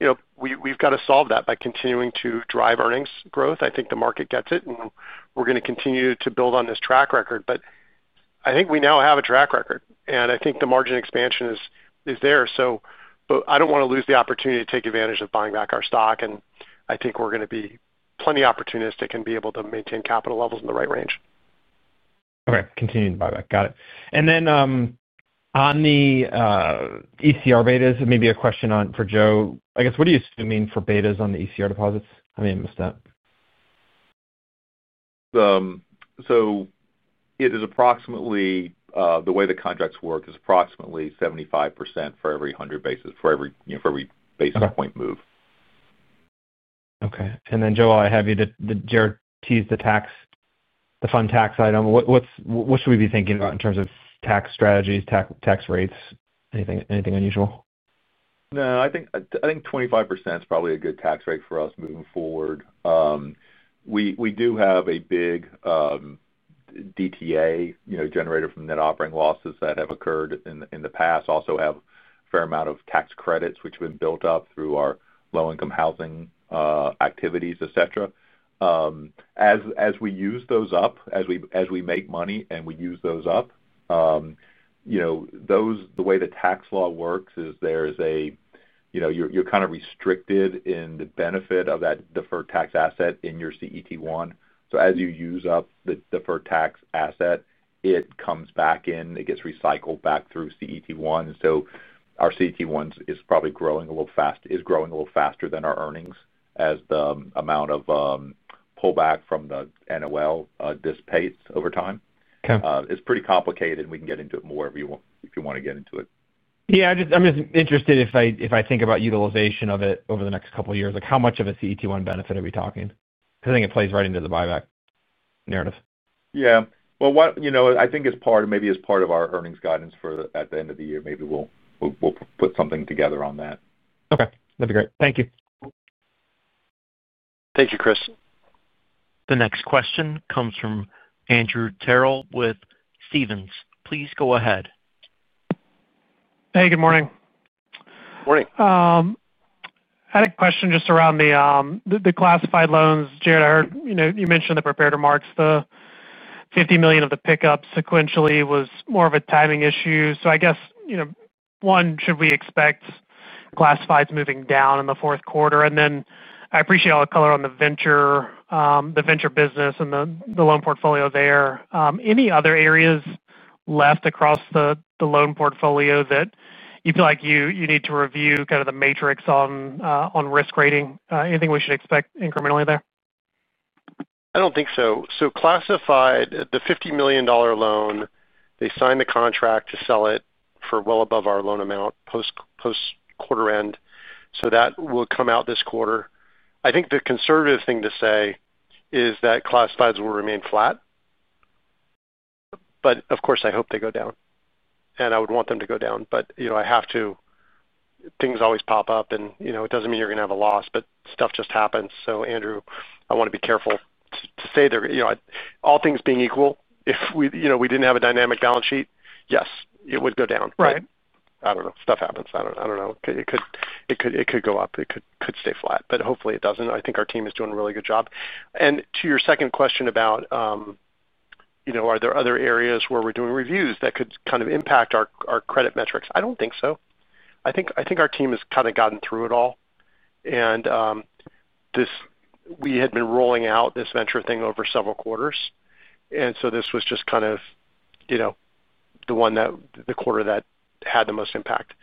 You know, we've got to solve that by continuing to drive earnings growth. I think the market gets it, and we're going to continue to build on this track record. I think we now have a track record, and I think the margin expansion is there. I don't want to lose the opportunity to take advantage of buying back our stock. I think we're going to be plenty opportunistic and be able to maintain capital levels in the right range. Okay, continuing to buy back. Got it. On the ECR betas, maybe a question for Joe. I guess, what do you assume for betas on the ECR deposits? I may have missed that. It is approximately 75% for every 100 basis points, for every basis point move. Okay. Joe, I have you to, Jared, tease the tax, the fund tax item. What should we be thinking about in terms of tax strategies, tax rates? Anything unusual? No, I think 25% is probably a good tax rate for us moving forward. We do have a big DTA, you know, generated from net operating losses that have occurred in the past. Also have a fair amount of tax credits, which have been built up through our low-income housing activities, etc. As we use those up, as we make money and we use those up, you know, the way the tax law works is there is a, you know, you're kind of restricted in the benefit of that deferred tax asset in your CET1. As you use up the deferred tax asset, it comes back in. It gets recycled back through CET1, and our CET1 is probably growing a little faster, is growing a little faster than our earnings as the amount of pullback from the NOL dissipates over time. It's pretty complicated, and we can get into it more if you want to get into it. I'm just interested if I think about utilization of it over the next couple of years. How much of a CET1 benefit are we talking? I think it plays right into the buyback narrative. I think it's part of maybe it's part of our earnings guidance for at the end of the year. Maybe we'll put something together on that. Okay, that'd be great. Thank you. Thank you, Chris. The next question comes from Andrew Terrell with Stephens. Please go ahead. Hey, good morning. Morning. I had a question just around the classified loans. Jared, I heard you mentioned in the prepared remarks the $50 million of the pickup sequentially was more of a timing issue. I guess, you know, one, should we expect classifieds moving down in the fourth quarter? I appreciate all the color on the venture business and the loan portfolio there. Any other areas left across the loan portfolio that you feel like you need to review kind of the matrix on risk rating? Anything we should expect incrementally there? I don't think so. Classified, the $50 million loan, they signed the contract to sell it for well above our loan amount post-quarter end. That will come out this quarter. I think the conservative thing to say is that classifieds will remain flat. Of course, I hope they go down, and I would want them to go down. Things always pop up, and it doesn't mean you're going to have a loss, but stuff just happens. Andrew, I want to be careful to say there, all things being equal, if we didn't have a dynamic balance sheet, yes, it would go down. Right. I don't know. Stuff happens. I don't know. It could go up. It could stay flat. Hopefully, it doesn't. I think our team is doing a really good job. To your second question about, you know, are there other areas where we're doing reviews that could kind of impact our credit metrics? I don't think so. I think our team has kind of gotten through it all. We had been rolling out this venture thing over several quarters. This was just the quarter that had the most impact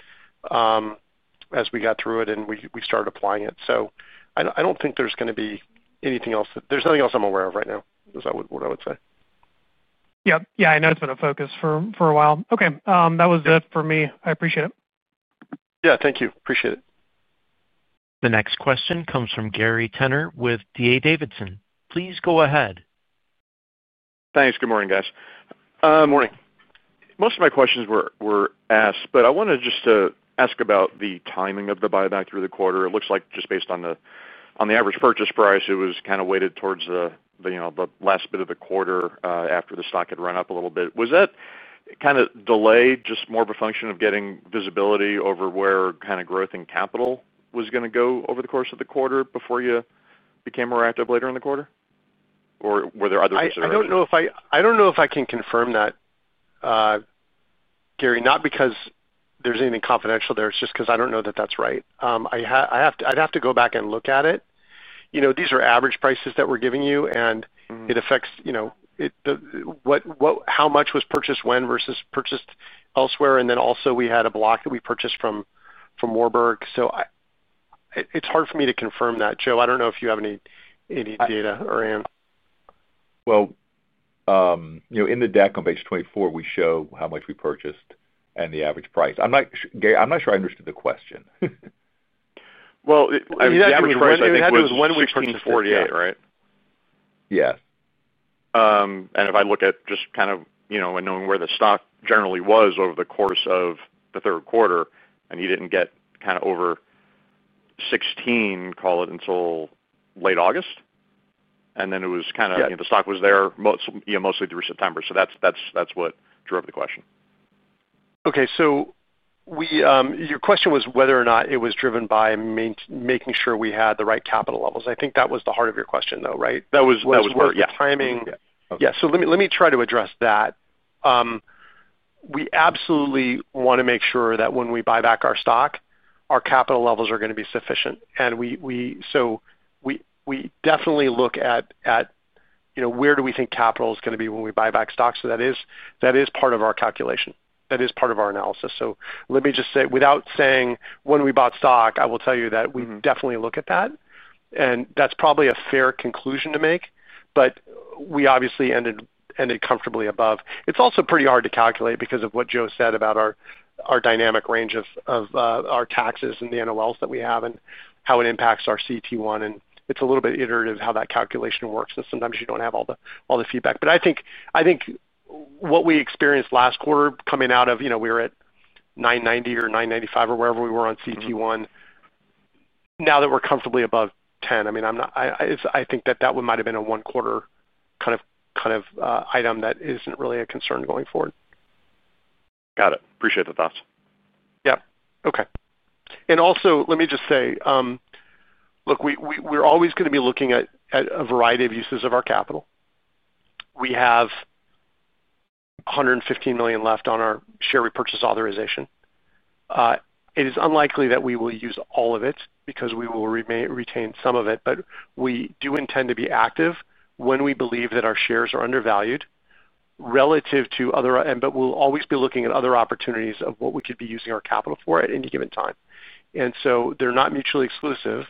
as we got through it and we started applying it. I don't think there's going to be anything else. There's nothing else I'm aware of right now. Is that what I would say? Yeah, I know it's been a focus for a while. Okay, that was it for me. I appreciate it. Yeah, thank you. Appreciate it. The next question comes from Gary Tenner with D.A. Davidson. Please go ahead. Thanks. Good morning, guys. Morning. Most of my questions were asked, but I wanted just to ask about the timing of the buyback through the quarter. It looks like just based on the average purchase price, it was kind of weighted towards the last bit of the quarter after the stock had run up a little bit. Was that kind of delayed just more of a function of getting visibility over where kind of growth in capital was going to go over the course of the quarter before you became more active later in the quarter? Were there other considerations? I don't know if I can confirm that, Gary, not because there's anything confidential there. It's just because I don't know that that's right. I'd have to go back and look at it. These are average prices that we're giving you, and it affects how much was purchased when versus purchased elsewhere. We had a block that we purchased from Warburg. It's hard for me to confirm that, Joe. I don't know if you have any data or, Ann. In the deck on page 24, we show how much we purchased and the average price. I'm not sure I understood the question. The average price, I think, was $1,148, right? Yes. If I look at just kind of, you know, and knowing where the stock generally was over the course of the third quarter, you didn't get kind of over $16, call it, until late August. It was kind of, you know, the stock was there mostly through September. That's what drove the question. Okay. Your question was whether or not it was driven by making sure we had the right capital levels. I think that was the heart of your question, though, right? That was. That was the heart. Timing. Yeah. Let me try to address that. We absolutely want to make sure that when we buy back our stock, our capital levels are going to be sufficient. We definitely look at, you know, where do we think capital is going to be when we buy back stock. That is part of our calculation. That is part of our analysis. Let me just say, without saying when we bought stock, I will tell you that we definitely look at that. That's probably a fair conclusion to make. We obviously ended comfortably above. It's also pretty hard to calculate because of what Joe said about our dynamic range of our taxes and the NOLs that we have and how it impacts our CET1. It's a little bit iterative how that calculation works. Sometimes you don't have all the feedback. I think what we experienced last quarter coming out of, you know, we were at 9.90 or 9.95 or wherever we were on CET1. Now that we're comfortably above 10, I think that that might have been a one-quarter kind of item that isn't really a concern going forward. Got it. Appreciate the thoughts. Okay. Let me just say, look, we're always going to be looking at a variety of uses of our capital. We have $115 million left on our share repurchase authorization. It is unlikely that we will use all of it because we will retain some of it. We do intend to be active when we believe that our shares are undervalued relative to other, and we'll always be looking at other opportunities of what we could be using our capital for at any given time. They're not mutually exclusive,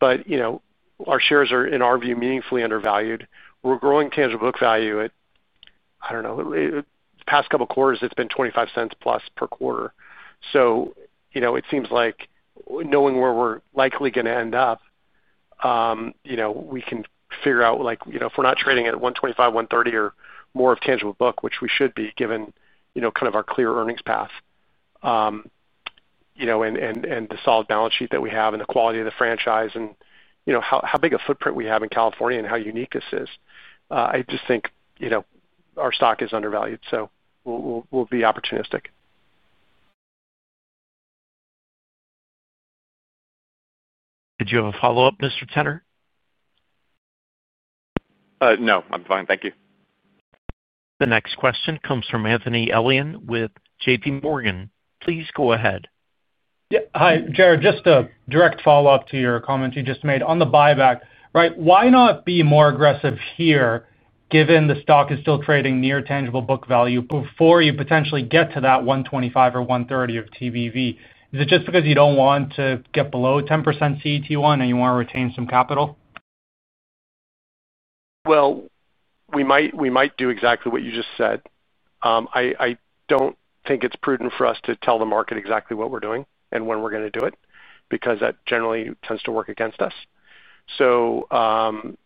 but you know, our shares are, in our view, meaningfully undervalued. We're growing tangible book value at, I don't know, the past couple of quarters, it's been $0.25 plus per quarter. It seems like knowing where we're likely going to end up, you know, we can figure out, like, you know, if we're not trading at $125, $130, or more of tangible book, which we should be given, you know, kind of our clear earnings path, and the solid balance sheet that we have and the quality of the franchise and, you know, how big a footprint we have in California and how unique this is, I just think, you know, our stock is undervalued. We'll be opportunistic. Did you have a follow-up, Mr. Tenner? No, I'm fine. Thank you. The next question comes from Anthony Elliott with J.P. Morgan. Please go ahead. Yeah. Hi, Jared. Just a direct follow-up to your comments you just made on the buyback, right? Why not be more aggressive here given the stock is still trading near tangible book value before you potentially get to that $1.25 or $1.30 of TBV? Is it just because you don't want to get below 10% CET1 and you want to retain some capital? We might do exactly what you just said. I don't think it's prudent for us to tell the market exactly what we're doing and when we're going to do it because that generally tends to work against us. I'm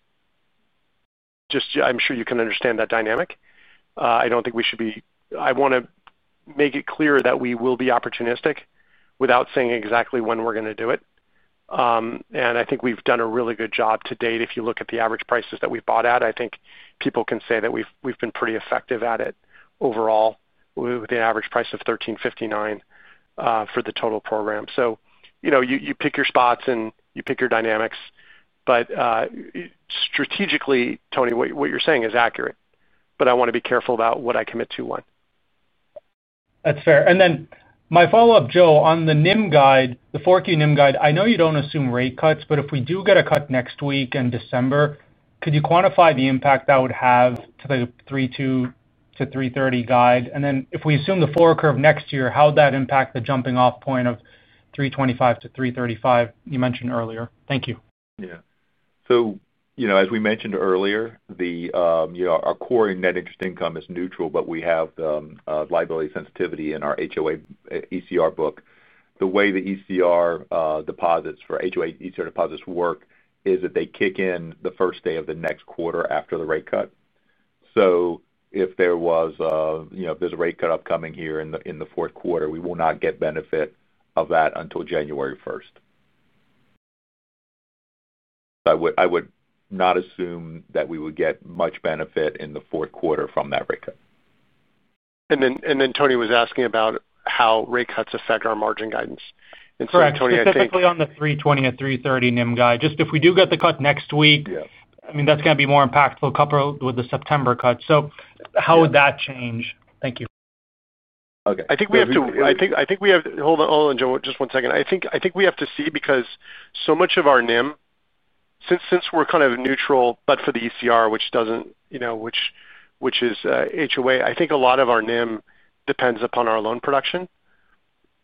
sure you can understand that dynamic. I don't think we should be, I want to make it clear that we will be opportunistic without saying exactly when we're going to do it. I think we've done a really good job to date. If you look at the average prices that we've bought at, I think people can say that we've been pretty effective at it overall with the average price of $13.59 for the total program. You pick your spots and you pick your dynamics. Strategically, Tony, what you're saying is accurate. I want to be careful about what I commit to when. That's fair. My follow-up, Joe, on the NIM guide, the forward NIM guide, I know you don't assume rate cuts, but if we do get a cut next week in December, could you quantify the impact that would have to the 3.20% to 3.30% guide? If we assume the forward curve next year, how would that impact the jumping-off point of 3.25% to 3.35% you mentioned earlier? Thank you. Yeah. As we mentioned earlier, our core net interest income is neutral, but we have the liability sensitivity in our HOA ECR book. The way the ECR deposits for HOA ECR deposits work is that they kick in the first day of the next quarter after the rate cut. If there is a rate cut upcoming here in the fourth quarter, we will not get benefit of that until January 1st. I would not assume that we would get much benefit in the fourth quarter from that rate cut. Tony was asking about how rate cuts affect our margin guidance. Tony, I think. Right. Specifically on the 3.20%-3.30% NIM guide, just if we do get the cut next week, I mean, that's going to be more impactful compared with the September cut. How would that change? Thank you. Okay, I think we have to. I think we have to hold on, Joe, just one second. I think we have to see because so much of our NIM, since we're kind of neutral, but for the ECR, which doesn't, you know, which is HOA, I think a lot of our NIM depends upon our loan production,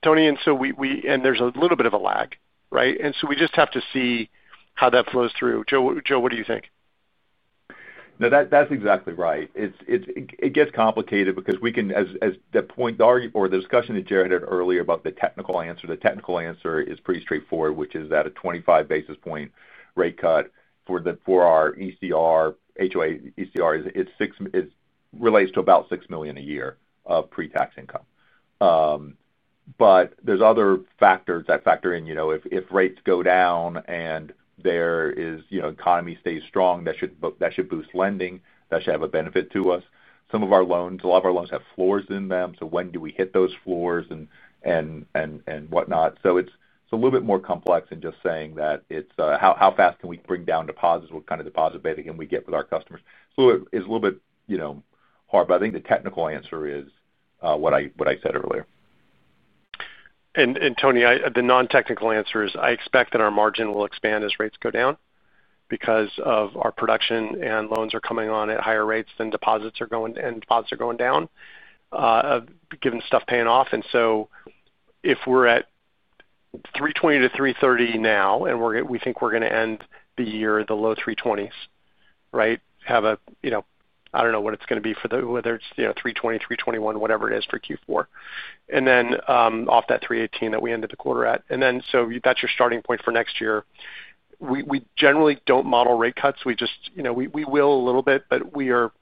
Tony. There's a little bit of a lag, right? We just have to see how that flows through. Joe, what do you think? No, that's exactly right. It gets complicated because, as the point or the discussion that Jared had earlier about the technical answer, the technical answer is pretty straightforward, which is that a 25 basis point rate cut for our ECR, HOA ECR, it relates to about $6 million a year of pre-tax income. There are other factors that factor in. If rates go down and the economy stays strong, that should boost lending. That should have a benefit to us. Some of our loans, a lot of our loans have floors in them. When do we hit those floors and whatnot? It's a little bit more complex than just saying that it's how fast can we bring down deposits. What kind of deposit beta can we get with our customers? It's a little bit, you know, hard. I think the technical answer is what I said earlier. Tony, the non-technical answer is I expect that our margin will expand as rates go down because of our production and loans are coming on at higher rates than deposits are going and deposits are going down, given stuff paying off. If we're at 3.20%-3.30% now, and we think we're going to end the year in the low 3.20% range, right? I don't know what it's going to be for the, whether it's 3.20%, 3.21%, whatever it is for Q4. Off that 3.18% that we ended the quarter at, that's your starting point for next year. We generally don't model rate cuts. We will a little bit, but we are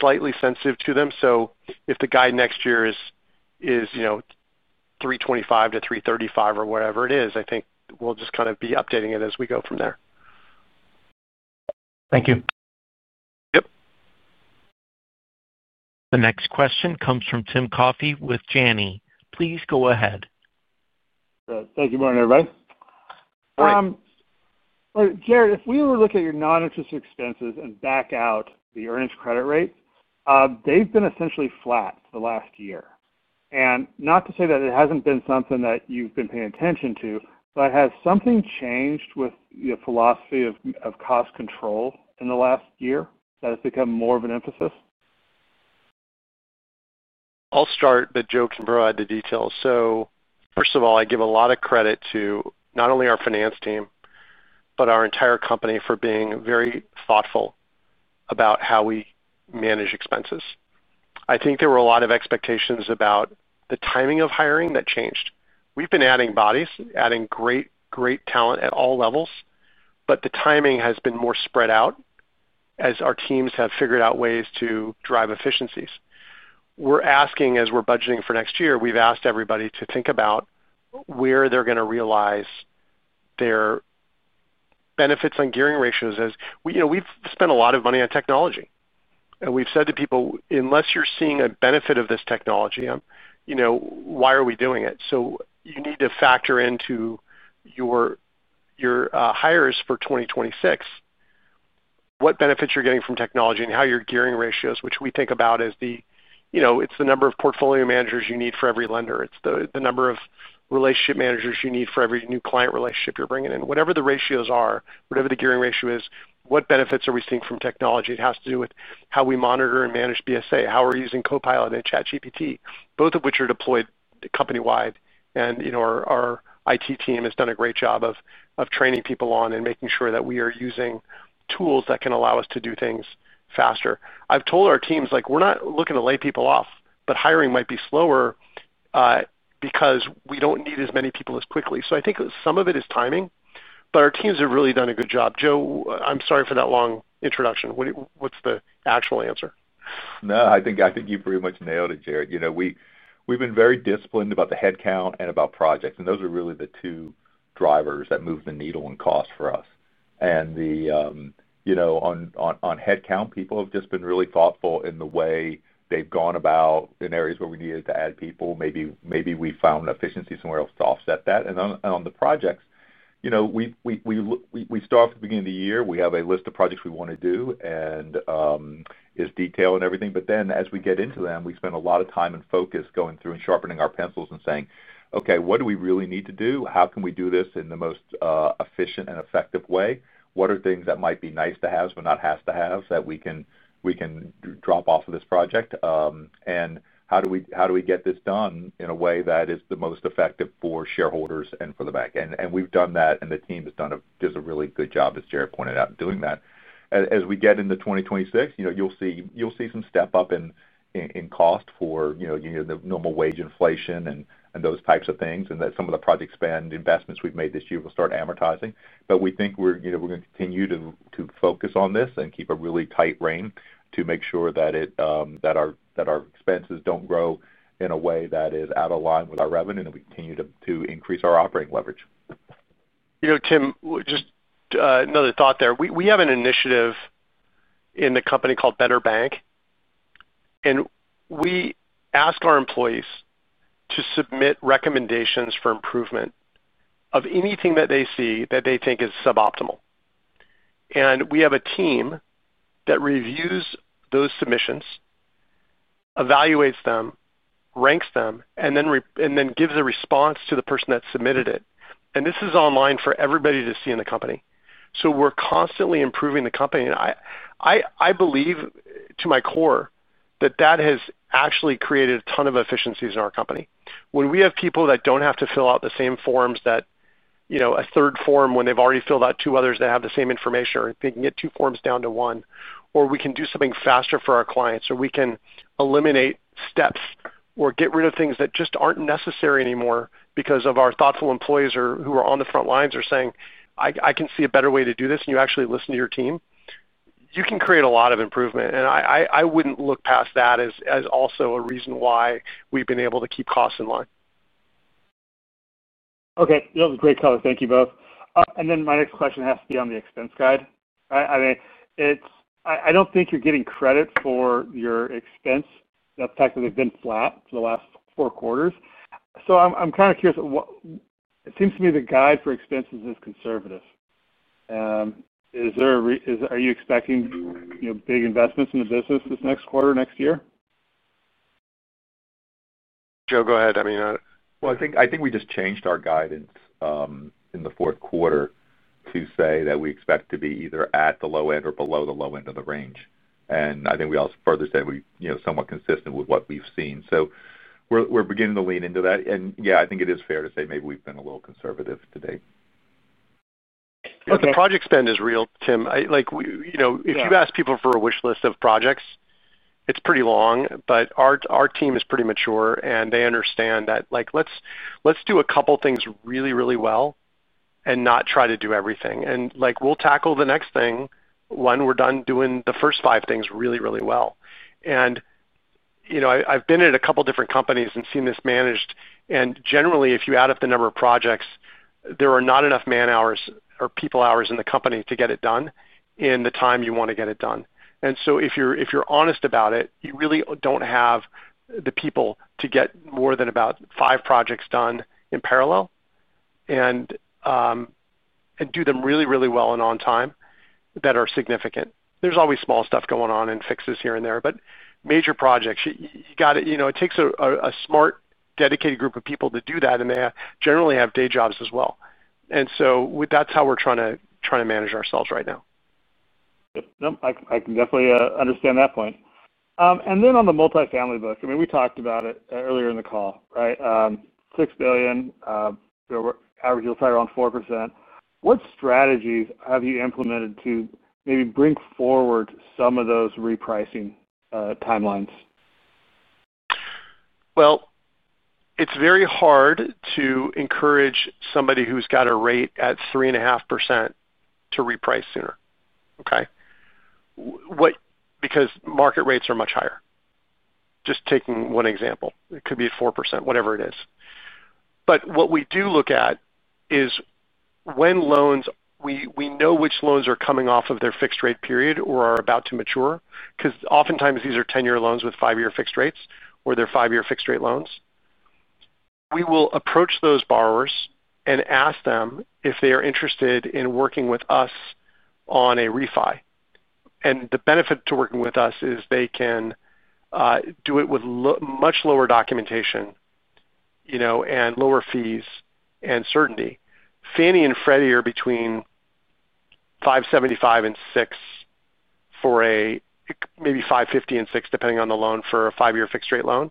slightly sensitive to them. If the guide next year is 3.25%-3.35% or whatever it is, I think we'll just kind of be updating it as we go from there. Thank you. Yep. The next question comes from Tim Coffey with Janney. Please go ahead. Thank you. Good morning, everybody. Morning. Jared, if we were to look at your non-interest expenses and back out the earnings credit rates, they've been essentially flat for the last year. Not to say that it hasn't been something that you've been paying attention to, but has something changed with the philosophy of cost control in the last year that has become more of an emphasis? I'll start, but Joe can provide the details. First of all, I give a lot of credit to not only our finance team, but our entire company for being very thoughtful about how we manage expenses. I think there were a lot of expectations about the timing of hiring that changed. We've been adding bodies, adding great, great talent at all levels, but the timing has been more spread out as our teams have figured out ways to drive efficiencies. We're asking, as we're budgeting for next year, we've asked everybody to think about where they're going to realize their benefits on gearing ratios. We've spent a lot of money on technology. We've said to people, unless you're seeing a benefit of this technology, why are we doing it? You need to factor into your hires for 2026 what benefits you're getting from technology and how your gearing ratios, which we think about as the number of portfolio managers you need for every lender, the number of relationship managers you need for every new client relationship you're bringing in. Whatever the ratios are, whatever the gearing ratio is, what benefits are we seeing from technology? It has to do with how we monitor and manage BSA, how we're using Copilot and ChatGPT, both of which are deployed company-wide. Our IT team has done a great job of training people on and making sure that we are using tools that can allow us to do things faster. I've told our teams we're not looking to lay people off, but hiring might be slower because we don't need as many people as quickly. I think some of it is timing, but our teams have really done a good job. Joe, I'm sorry for that long introduction. What's the actual answer? No, I think you pretty much nailed it, Jared. We've been very disciplined about the headcount and about projects. Those are really the two drivers that move the needle on cost for us. On headcount, people have just been really thoughtful in the way they've gone about in areas where we needed to add people. Maybe we found an efficiency somewhere else to offset that. On the projects, we start off at the beginning of the year. We have a list of projects we want to do and it's detailed and everything. As we get into them, we spend a lot of time and focus going through and sharpening our pencils and saying, "Okay, what do we really need to do? How can we do this in the most efficient and effective way? What are things that might be nice to have, but not has to have, that we can drop off of this project? How do we get this done in a way that is the most effective for shareholders and for the bank?" We've done that, and the team has done just a really good job, as Jared pointed out, in doing that. As we get into 2026, you'll see some step up in cost for the normal wage inflation and those types of things. Some of the project spend investments we've made this year will start amortizing. We think we're going to continue to focus on this and keep a really tight rein to make sure that our expenses don't grow in a way that is out of line with our revenue and that we continue to increase our operating leverage. You know, Tim, just another thought there. We have an initiative in the company called Better Bank. We ask our employees to submit recommendations for improvement of anything that they see that they think is suboptimal. We have a team that reviews those submissions, evaluates them, ranks them, and then gives a response to the person that submitted it. This is online for everybody to see in the company. We are constantly improving the company. I believe to my core that that has actually created a ton of efficiencies in our company. When we have people that do not have to fill out the same forms, a third form, when they have already filled out two others, they have the same information, or they can get two forms down to one, or we can do something faster for our clients, or we can eliminate steps or get rid of things that just are not necessary anymore because of our thoughtful employees who are on the front lines are saying, "I can see a better way to do this," and you actually listen to your team, you can create a lot of improvement. I would not look past that as also a reason why. We've been able to keep costs in line. Okay. That was a great call. Thank you both. My next question has to be on the expense guide, right? I mean, I don't think you're getting credit for your expense, the fact that they've been flat for the last four quarters. I'm kind of curious what it seems to me the guide for expenses is conservative. Is there a reason, are you expecting, you know, big investments in the business this next quarter, next year? Joe, go ahead. I think we just changed our guidance in the fourth quarter to say that we expect to be either at the low end or below the low end of the range. I think we also further said we, you know, somewhat consistent with what we've seen. We're beginning to lean into that. I think it is fair to say maybe we've been a little conservative today. The project spend is real, Tim. If you ask people for a wish list of projects, it's pretty long. Our team is pretty mature, and they understand that, like, let's do a couple of things really, really well and not try to do everything. We'll tackle the next thing when we're done doing the first five things really, really well. I've been in a couple of different companies and seen this managed. Generally, if you add up the number of projects, there are not enough man hours or people hours in the company to get it done in the time you want to get it done. If you're honest about it, you really don't have the people to get more than about five projects done in parallel and do them really, really well and on time that are significant. There's always small stuff going on and fixes here and there. Major projects take a smart, dedicated group of people to do that. They generally have day jobs as well. That's how we're trying to manage ourselves right now. Nope. I can definitely understand that point. On the multifamily book, we talked about it earlier in the call, right? $6 billion, average yields higher on 4%. What strategies have you implemented to maybe bring forward some of those repricing timelines? It's very hard to encourage somebody who's got a rate at 3.5% to reprice sooner, because market rates are much higher. Just taking one example, it could be at 4%, whatever it is. What we do look at is when loans, we know which loans are coming off of their fixed-rate period or are about to mature because oftentimes these are 10-year loans with 5-year fixed rates or they're 5-year fixed-rate loans. We will approach those borrowers and ask them if they are interested in working with us on a refi. The benefit to working with us is they can do it with much lower documentation, lower fees, and certainty. Fannie and Freddie are between 5.75% and 6%, or maybe 5.50% and 6% depending on the loan for a 5-year fixed-rate loan.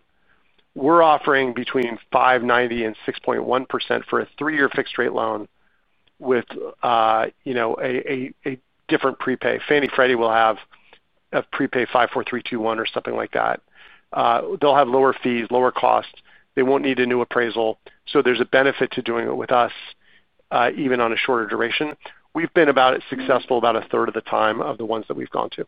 We're offering between 5.90% and 6.1% for a 3-year fixed-rate loan with a different prepay. Fannie and Freddie will have a prepay 5-4-3-2-1 or something like that. They'll have lower fees, lower costs. They won't need a new appraisal. There's a benefit to doing it with us, even on a shorter duration. We've been about as successful about a third of the time of the ones that we've gone to.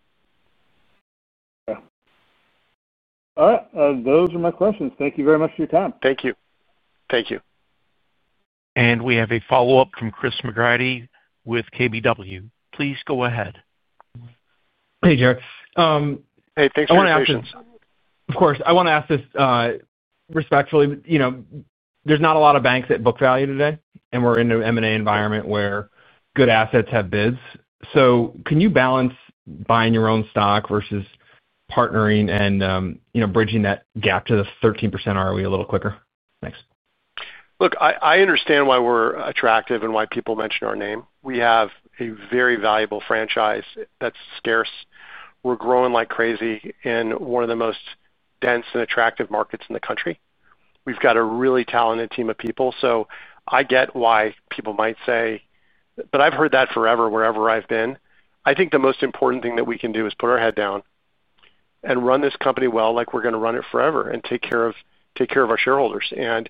All right. Those are my questions. Thank you very much for your time. Thank you. Thank you. We have a follow-up from Chris McGrady with KBW. Please go ahead. Hey, Jared. Hey, thanks for joining. I want to ask this respectfully. You know, there's not a lot of banks at book value today, and we're in an M&A environment where good assets have bids. Can you balance buying your own stock versus partnering and bridging that gap to the 13% ROE a little quicker? Thanks. Look, I understand why we're attractive and why people mention our name. We have a very valuable franchise that's scarce. We're growing like crazy in one of the most dense and attractive markets in the country. We've got a really talented team of people. I get why people might say, "But I've heard that forever wherever I've been." I think the most important thing that we can do is put our head down and run this company well like we're going to run it forever and take care of our shareholders and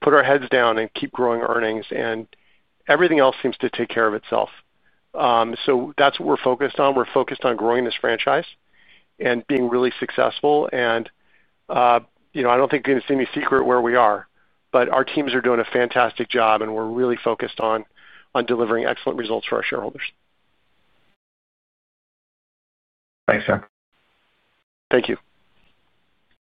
put our heads down and keep growing earnings, and everything else seems to take care of itself. That's what we're focused on. We're focused on growing this franchise and being really successful. You know, I don't think it's going to seem a secret where we are. Our teams are doing a fantastic job, and we're really focused on delivering excellent results for our shareholders. Thanks, Jared. Thank you.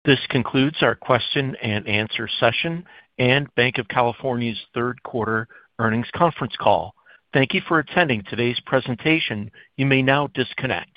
This concludes our question and answer session and Banc of California's third quarter earnings conference call. Thank you for attending today's presentation. You may now disconnect.